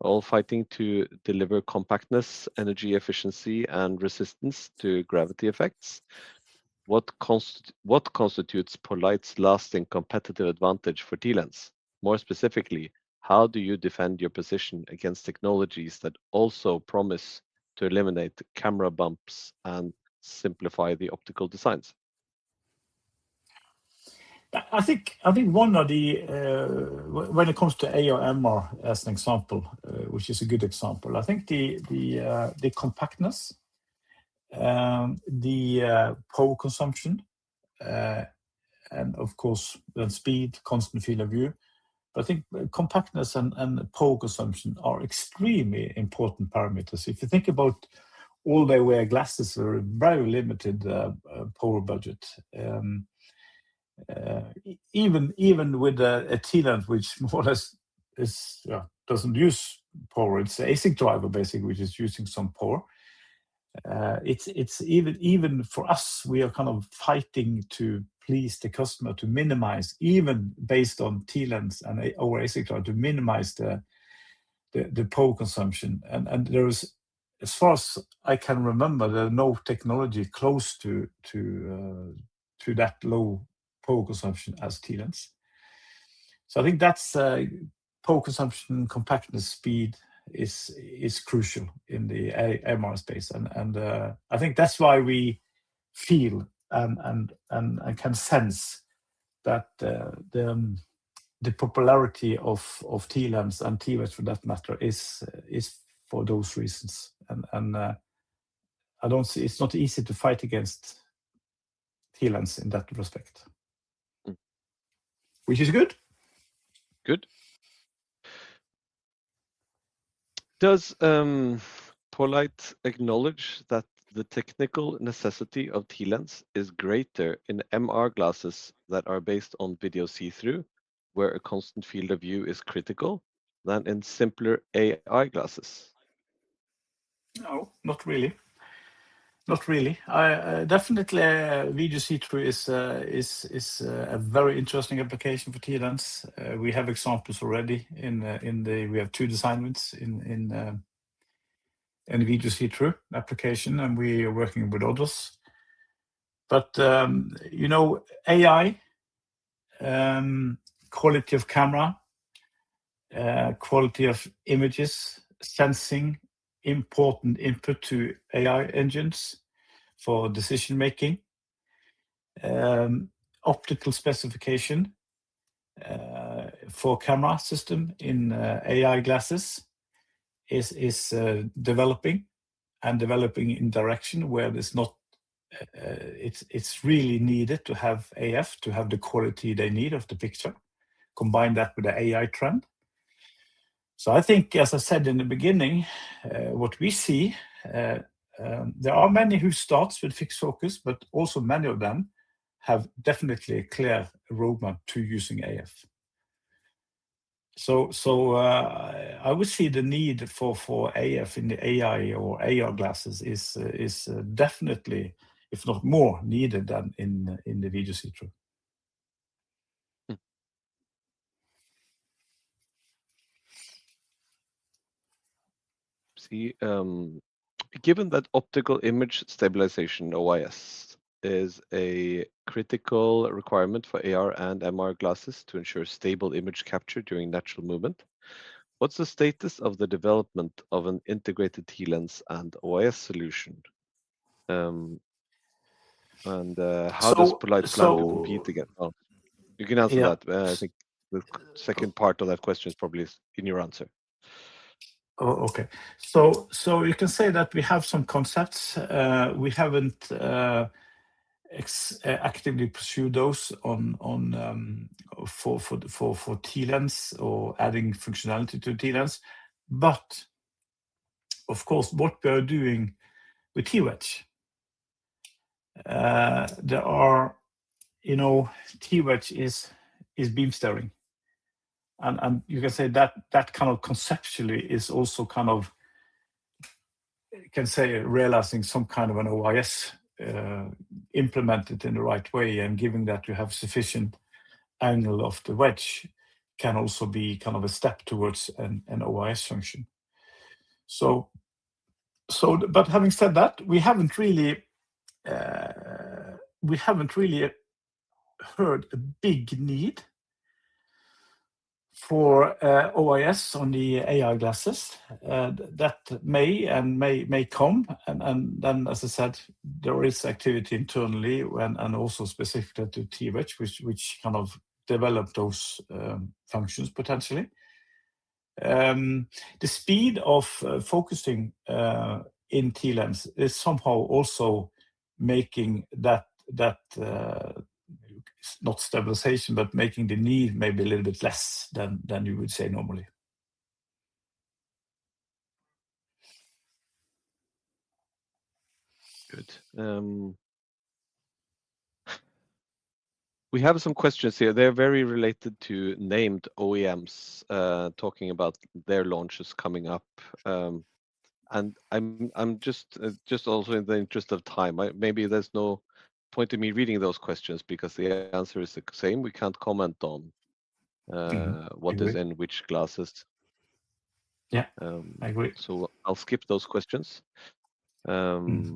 all fighting to deliver compactness, energy efficiency and resistance to gravity effects. What constitutes poLight's lasting competitive advantage for TLens? More specifically, how do you defend your position against technologies that also promise to eliminate the camera bumps and simplify the optical designs? I think one of the when it comes to AR/MR as an example, which is a good example, I think the compactness, the power consumption, and of course the speed, constant field of view. I think compactness and power consumption are extremely important parameters. If you think about all-day-wear glasses are very limited power budget. Even with a TLens, which more or less is doesn't use power, it's ASIC driver basically, which is using some power. It's even for us, we are kind of fighting to please the customer to minimize even based on TLens and our ASIC driver to minimize the power consumption. There is, as far as I can remember, there are no technology close to that low power consumption as TLens. I think that's power consumption, compactness, speed is crucial in the AR/MR space. I think that's why we feel and can sense that the popularity of TLens and TWedge for that matter is for those reasons. I don't see it's not easy to fight against TLens in that respect. Which is good. Good. Does poLight acknowledge that the technical necessity of TLens is greater in MR glasses that are based on video see-through, where a constant field of view is critical than in simpler AI glasses? No, not really. I definitely VGC 3 is a very interesting application for TLens. We have examples already. We have two design wins in the VGC 3 application, and we are working with others. You know, AI, quality of camera, quality of images, sensing important input to AI engines for decision-making, optical specification for camera system in AI glasses is developing in direction where there's not it's really needed to have AF to have the quality they need of the picture. Combine that with the AI trend. I think, as I said in the beginning, what we see, there are many who starts with fixed focus, but also many of them have definitely a clear roadmap to using AF. I would see the need for AF in the AI or AR glasses is definitely, if not more needed than in the VGC 3. See, given that optical image stabilization, OIS, is a critical requirement for AR and MR glasses to ensure stable image capture during natural movement, what's the status of the development of an integrated TLens and OIS solution? How does poLight plan to compete against Oh, you can answer that. Yeah. I think the second part of that question is probably in your answer. Okay. You can say that we have some concepts. We haven't actively pursued those on for TLens or adding functionality to TLens. Of course, what we are doing with TWedge, you know, TWedge is beam steering. You can say that kind of conceptually is also kind of can say realizing some kind of an OIS implemented in the right way. Given that you have sufficient angle of the wedge can also be kind of a step towards an OIS function. But having said that, we haven't really heard a big need for OIS on the AI glasses. That may come. Then as I said, there is activity internally and also specifically to TWedge, which kind of develop those functions potentially. The speed of focusing in TLens is somehow also making that not stabilization but making the need maybe a little bit less than you would say normally. Good. We have some questions here. They're very related to named OEMs, talking about their launches coming up. I'm just also in the interest of time, maybe there's no point in me reading those questions because the answer is the same. We can't comment on. Mm-hmm. Agree. What is in which glasses. Yeah. I agree. I'll skip those questions. You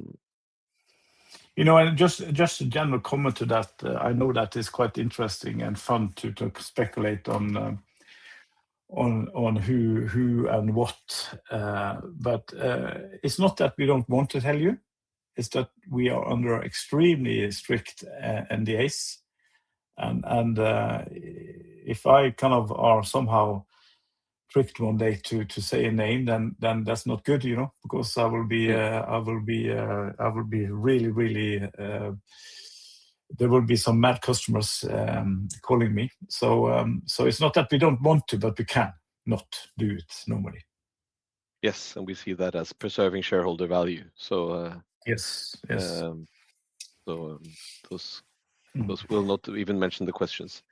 know, just a general comment to that. I know that is quite interesting and fun to speculate on who and what. It's not that we don't want to tell you, it's that we are under extremely strict NDAs and if I kind of are somehow tricked one day to say a name, then that's not good, you know, because I will be really, there will be some mad customers calling me. It's not that we don't want to, we can't not do it normally. Yes. We see that as preserving shareholder value. Yes. Yes. Um, so those- those will not even mention the questions.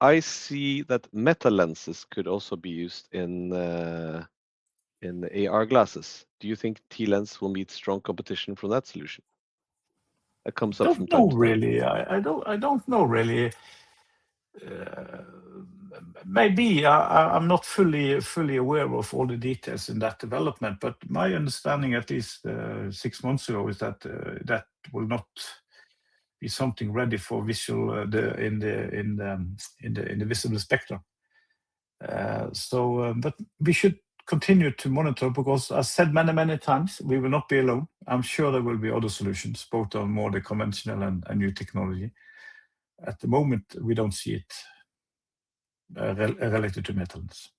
I see that metalenses could also be used in the AR glasses. Do you think TLens will meet strong competition from that solution? That comes up from time to time. I don't know really. I don't know really. Maybe I'm not fully aware of all the details in that development, but my understanding at least six months ago is that that will not be something ready for visual in the visible spectrum. We should continue to monitor because I said many, many times we will not be alone. I'm sure there will be other solutions, both on more the conventional and new technology. At the moment, we don't see it related to metalenses.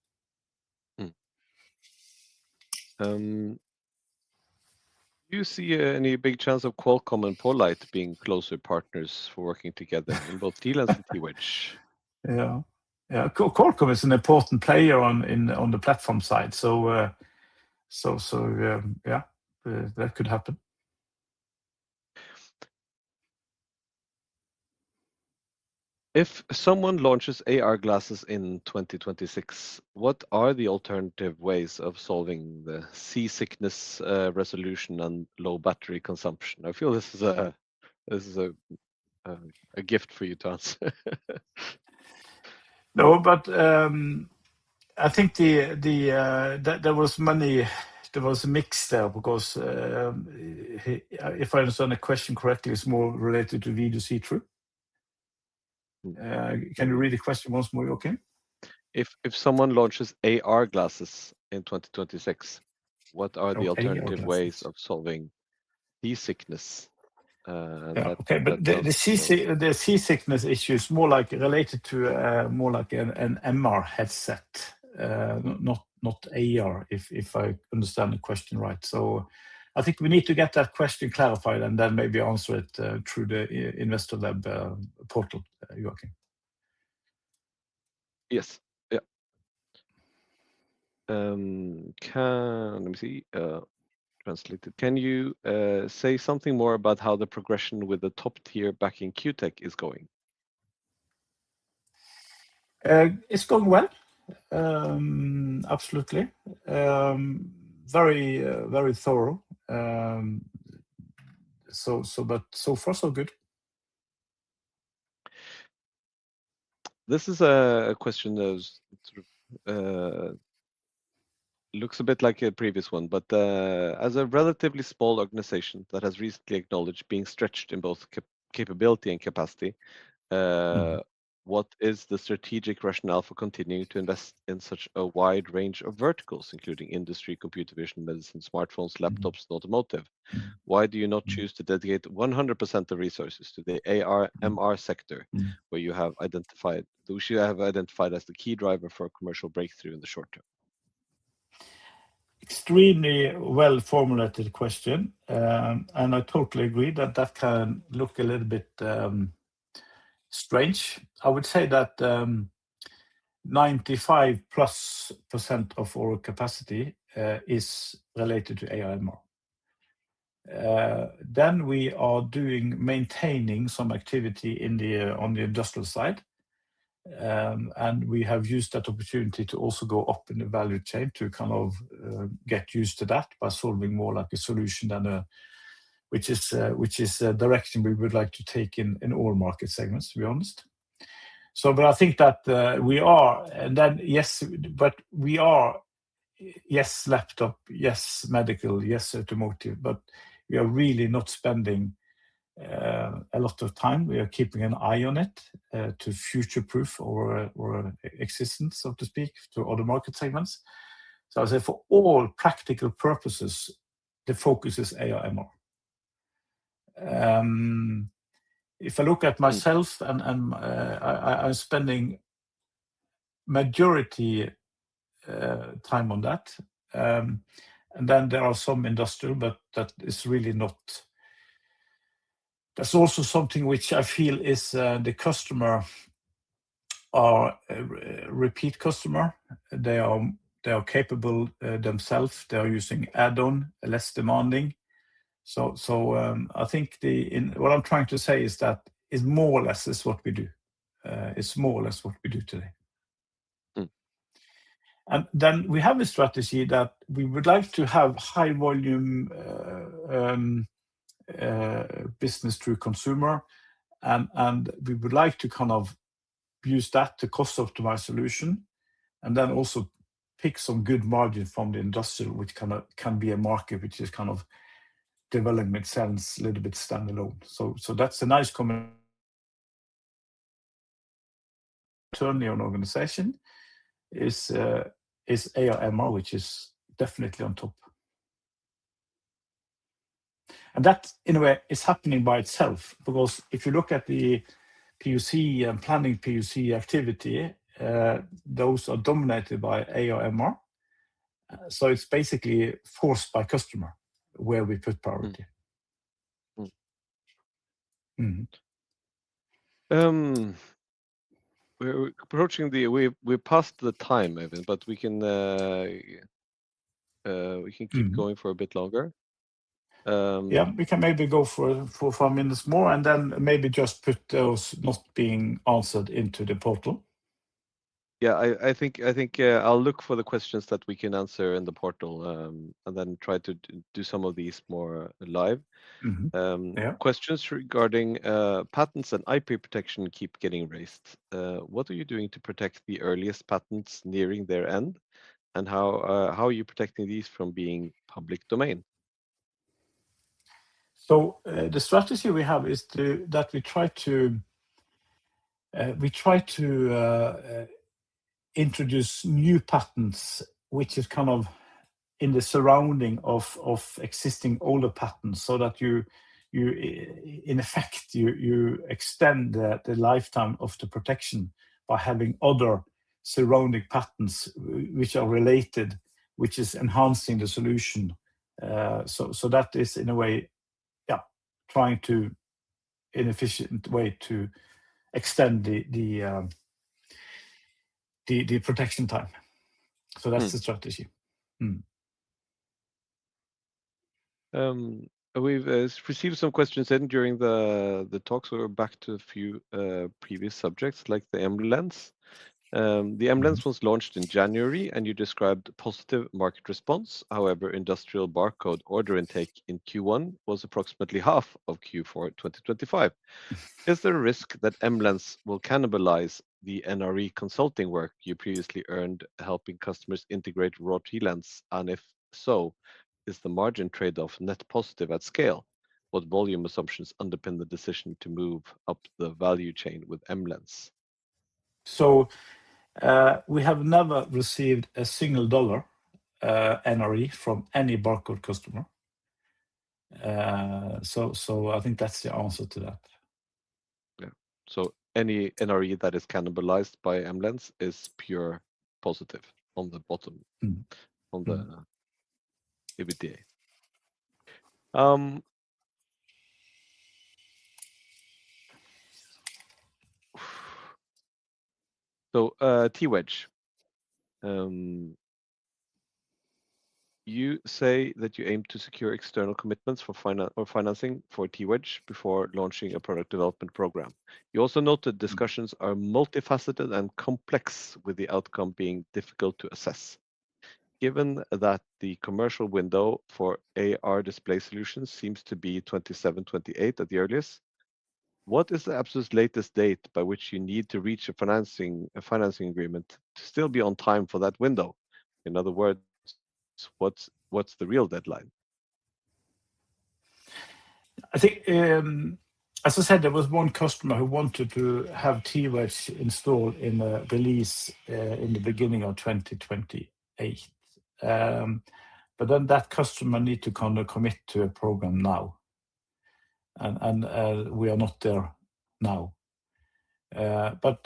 Do you see any big chance of Qualcomm and poLight being closer partners for working together in both TLens and TWedge? Yeah. Qualcomm is an important player on the platform side. Yeah, that could happen. If someone launches AR glasses in 2026, what are the alternative ways of solving the seasickness, resolution and low battery consumption? I feel this is a gift for you to answer. No, I think there was a mix there because, if I understand the question correctly, it's more related to video see-through. Can you read the question once more, Joakim? If someone launches AR glasses in 2026. Oh, AR glasses. What are the alternative ways of solving seasickness. Yeah. Okay. The seasickness issue is more like related to, more like an MR headset, not AR if I understand the question right. I think we need to get that question clarified, and then maybe answer it, through the Investorweb portal, Joakim. Yes. Yeah. Let me see. Translated. Can you say something more about how the progression with the top-tier backing Q-Tech is going? It's going well. Absolutely. Very, very thorough. So far so good. This is a question that sort of looks a bit like a previous one, but as a relatively small organization that has recently acknowledged being stretched in both capability and capacity. What is the strategic rationale for continuing to invest in such a wide range of verticals, including industry, computer vision, medicine, smartphones, laptops? Automotive? Why do you not choose to dedicate 100% of resources to the AR/MR sector? Which you have identified as the key driver for a commercial breakthrough in the short term? Extremely well-formulated question. I totally agree that that can look a little bit strange. I would say that 95+% of our capacity is related to AR/MR. We are doing maintaining some activity on the industrial side. We have used that opportunity to also go up in the value chain to kind of get used to that by solving more like a solution. Which is a direction we would like to take in all market segments, to be honest. I think that we are yes, laptop, yes, medical, yes, automotive, but we are really not spending a lot of time. We are keeping an eye on it to future-proof our existence, so to speak, to other market segments. I'd say for all practical purposes, the focus is AR/MR. If I look at myself, I'm spending majority time on that. Then there are some industrial, but that is really not. That's also something which I feel is the customer are a repeat customer. They are capable themselves. They are using add-on, less demanding. I think what I'm trying to say is that is more or less what we do. Is more or less what we do today. Then we have a strategy that we would like to have high volume business through consumer, and we would like to kind of use that to cost-optimize solution, and then also pick some good margin from the industrial, which kind of can be a market which is kind of development sense, a little bit standalone. That's a nice combination. Certainly, an organization is AR/MR, which is definitely on top. That, in a way, is happening by itself, because if you look at the PoC, planning PoC activity, those are dominated by AR/MR. It's basically forced by customer where we put priority. We're past the time, Øyvind, but we can. We can keep going for a bit longer. Yeah. We can maybe go for five minutes more, and then maybe just put those not being answered into the portal. Yeah. I think I'll look for the questions that we can answer in the portal, and then try to do some of these more live. Mm-hmm. Yeah. Questions regarding patents and IP protection keep getting raised. What are you doing to protect the earliest patents nearing their end? How are you protecting these from being public domain? The strategy we have is to introduce new patents, which is kind of in the surrounding of existing older patents, that in effect, you extend the lifetime of the protection by having other surrounding patents which are related, which is enhancing the solution. That is in a way, trying to, an efficient way to extend the protection time. That's the strategy. We've received some questions in during the talk, so we're back to a few previous subjects like the MLens. The MLens was launched in January, and you described positive market response. However, industrial barcode order intake in Q1 was approximately half of Q4 2025. Is there a risk that MLens will cannibalize the NRE consulting work you previously earned helping customers integrate TLens? If so, is the margin trade-off net positive at scale? What volume assumptions underpin the decision to move up the value chain with MLens? We have never received a NOK 1 NRE from any barcode customer. I think that's the answer to that. Yeah. Any NRE that is cannibalized by MLens is pure positive on the bottom line. On the EBITDA. TWedge. You say that you aim to secure external commitments for financing for TWedge before launching a product development program. You also note that discussions are multifaceted and complex, with the outcome being difficult to assess. Given that the commercial window for AR display solutions seems to be 2027-2028 at the earliest, what is the absolute latest date by which you need to reach a financing agreement to still be on time for that window? In other words, what's the real deadline? I think, as I said, there was one customer who wanted to have TWedge installed in a release in the beginning of 2028. That customer need to kinda commit to a program now, and we are not there now.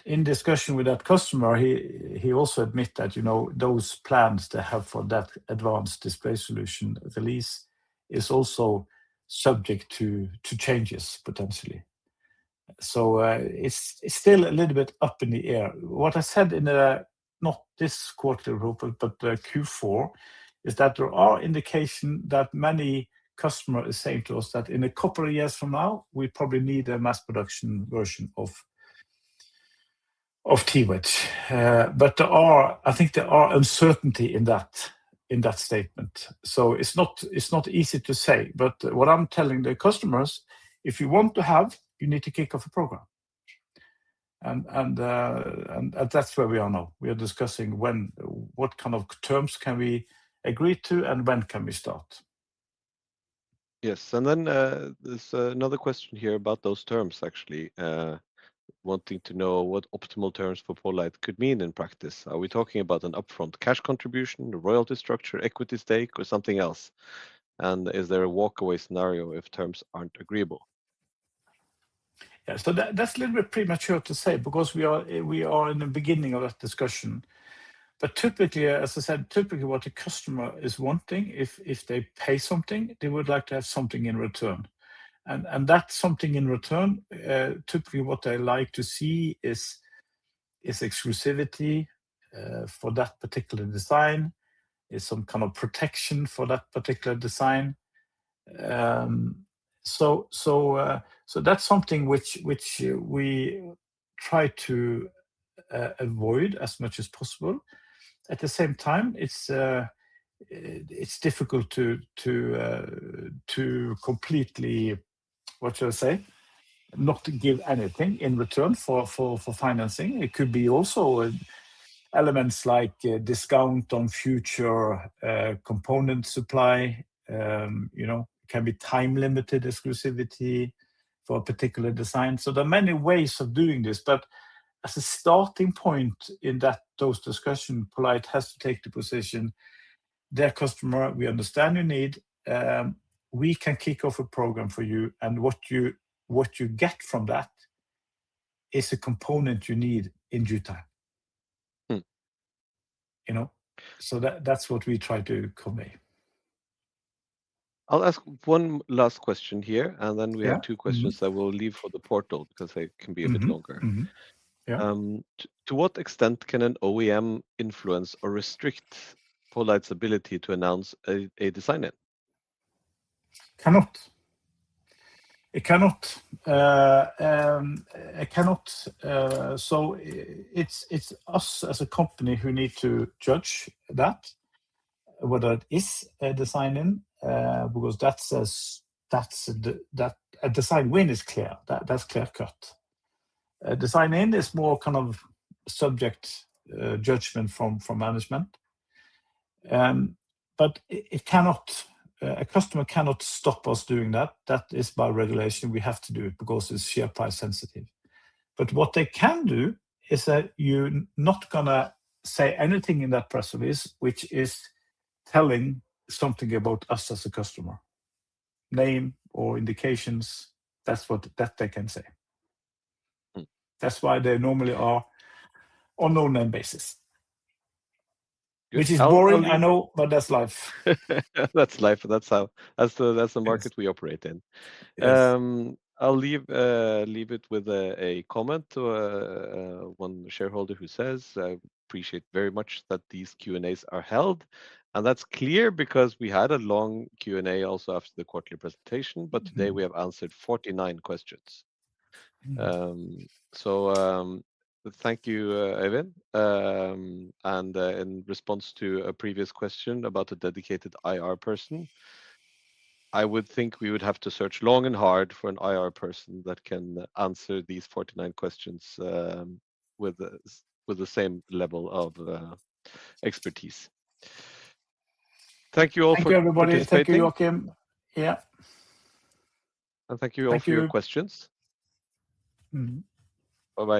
In discussion with that customer, he also admit that, you know, those plans they have for that advanced display solution release is also subject to changes potentially. It's still a little bit up in the air. What I said in, not this quarterly report, but the Q4, is that there are indication that many customer is saying to us that in two years from now, we probably need a mass production version of TWedge. I think there are uncertainty in that statement. It's not easy to say, but what I'm telling the customers, "If you want to have, you need to kick off a program." And that's where we are now. We are discussing when what kind of terms can we agree to and when can we start. Yes. There's another question here about those terms, actually. Wanting to know what optimal terms for poLight could mean in practice. Are we talking about an upfront cash contribution, a royalty structure, equity stake, or something else? Is there a walkaway scenario if terms aren't agreeable? Yeah. That's a little bit premature to say because we are in the beginning of that discussion. Typically, as I said, typically what a customer is wanting if they pay something, they would like to have something in return. That something in return, typically what they like to see is exclusivity for that particular design, is some kind of protection for that particular design. That's something which we try to avoid as much as possible. At the same time, it's difficult to completely, what should I say, not give anything in return for financing. It could be also elements like a discount on future component supply. You know, it can be time-limited exclusivity for a particular design. There are many ways of doing this. As a starting point in those discussion, poLight has to take the position, "Dear customer, we understand your need. We can kick off a program for you, and what you get from that is a component you need in due time. You know, that's what we try to convey. I'll ask one last question here, and then we have two questions that we'll leave for the portal because they can be a bit longer. Mm-hmm. Yeah. To what extent can an OEM influence or restrict poLight's ability to announce a design-in? Cannot. It cannot. It cannot. It's us as a company who need to judge that, whether it is a design-in, because that's a design win is clear. That's clear-cut. A design-in is more kind of subject judgment from management. It cannot, a customer cannot stop us doing that. That is by regulation. We have to do it because it's share price sensitive. What they can do is that you're not gonna say anything in that press release which is telling something about us as a customer. Name or indications, that's what they can say. That's why they normally are on no-name basis. Which is boring, I know, but that's life. That's life. That's the market we operate in. Yes. I'll leave it with a comment to one shareholder who says, "I appreciate very much that these Q&As are held." That's clear because we had a long Q&A also after the quarterly presentation, but today we have answered 49 questions. Thank you, Øyvind. In response to a previous question about a dedicated IR person, I would think we would have to search long and hard for an IR person that can answer these 49 questions with the same level of expertise. Thank you all for participating. Thank you, everybody. Thank you, Joakim. Yeah. Thank you all for your questions. Bye-bye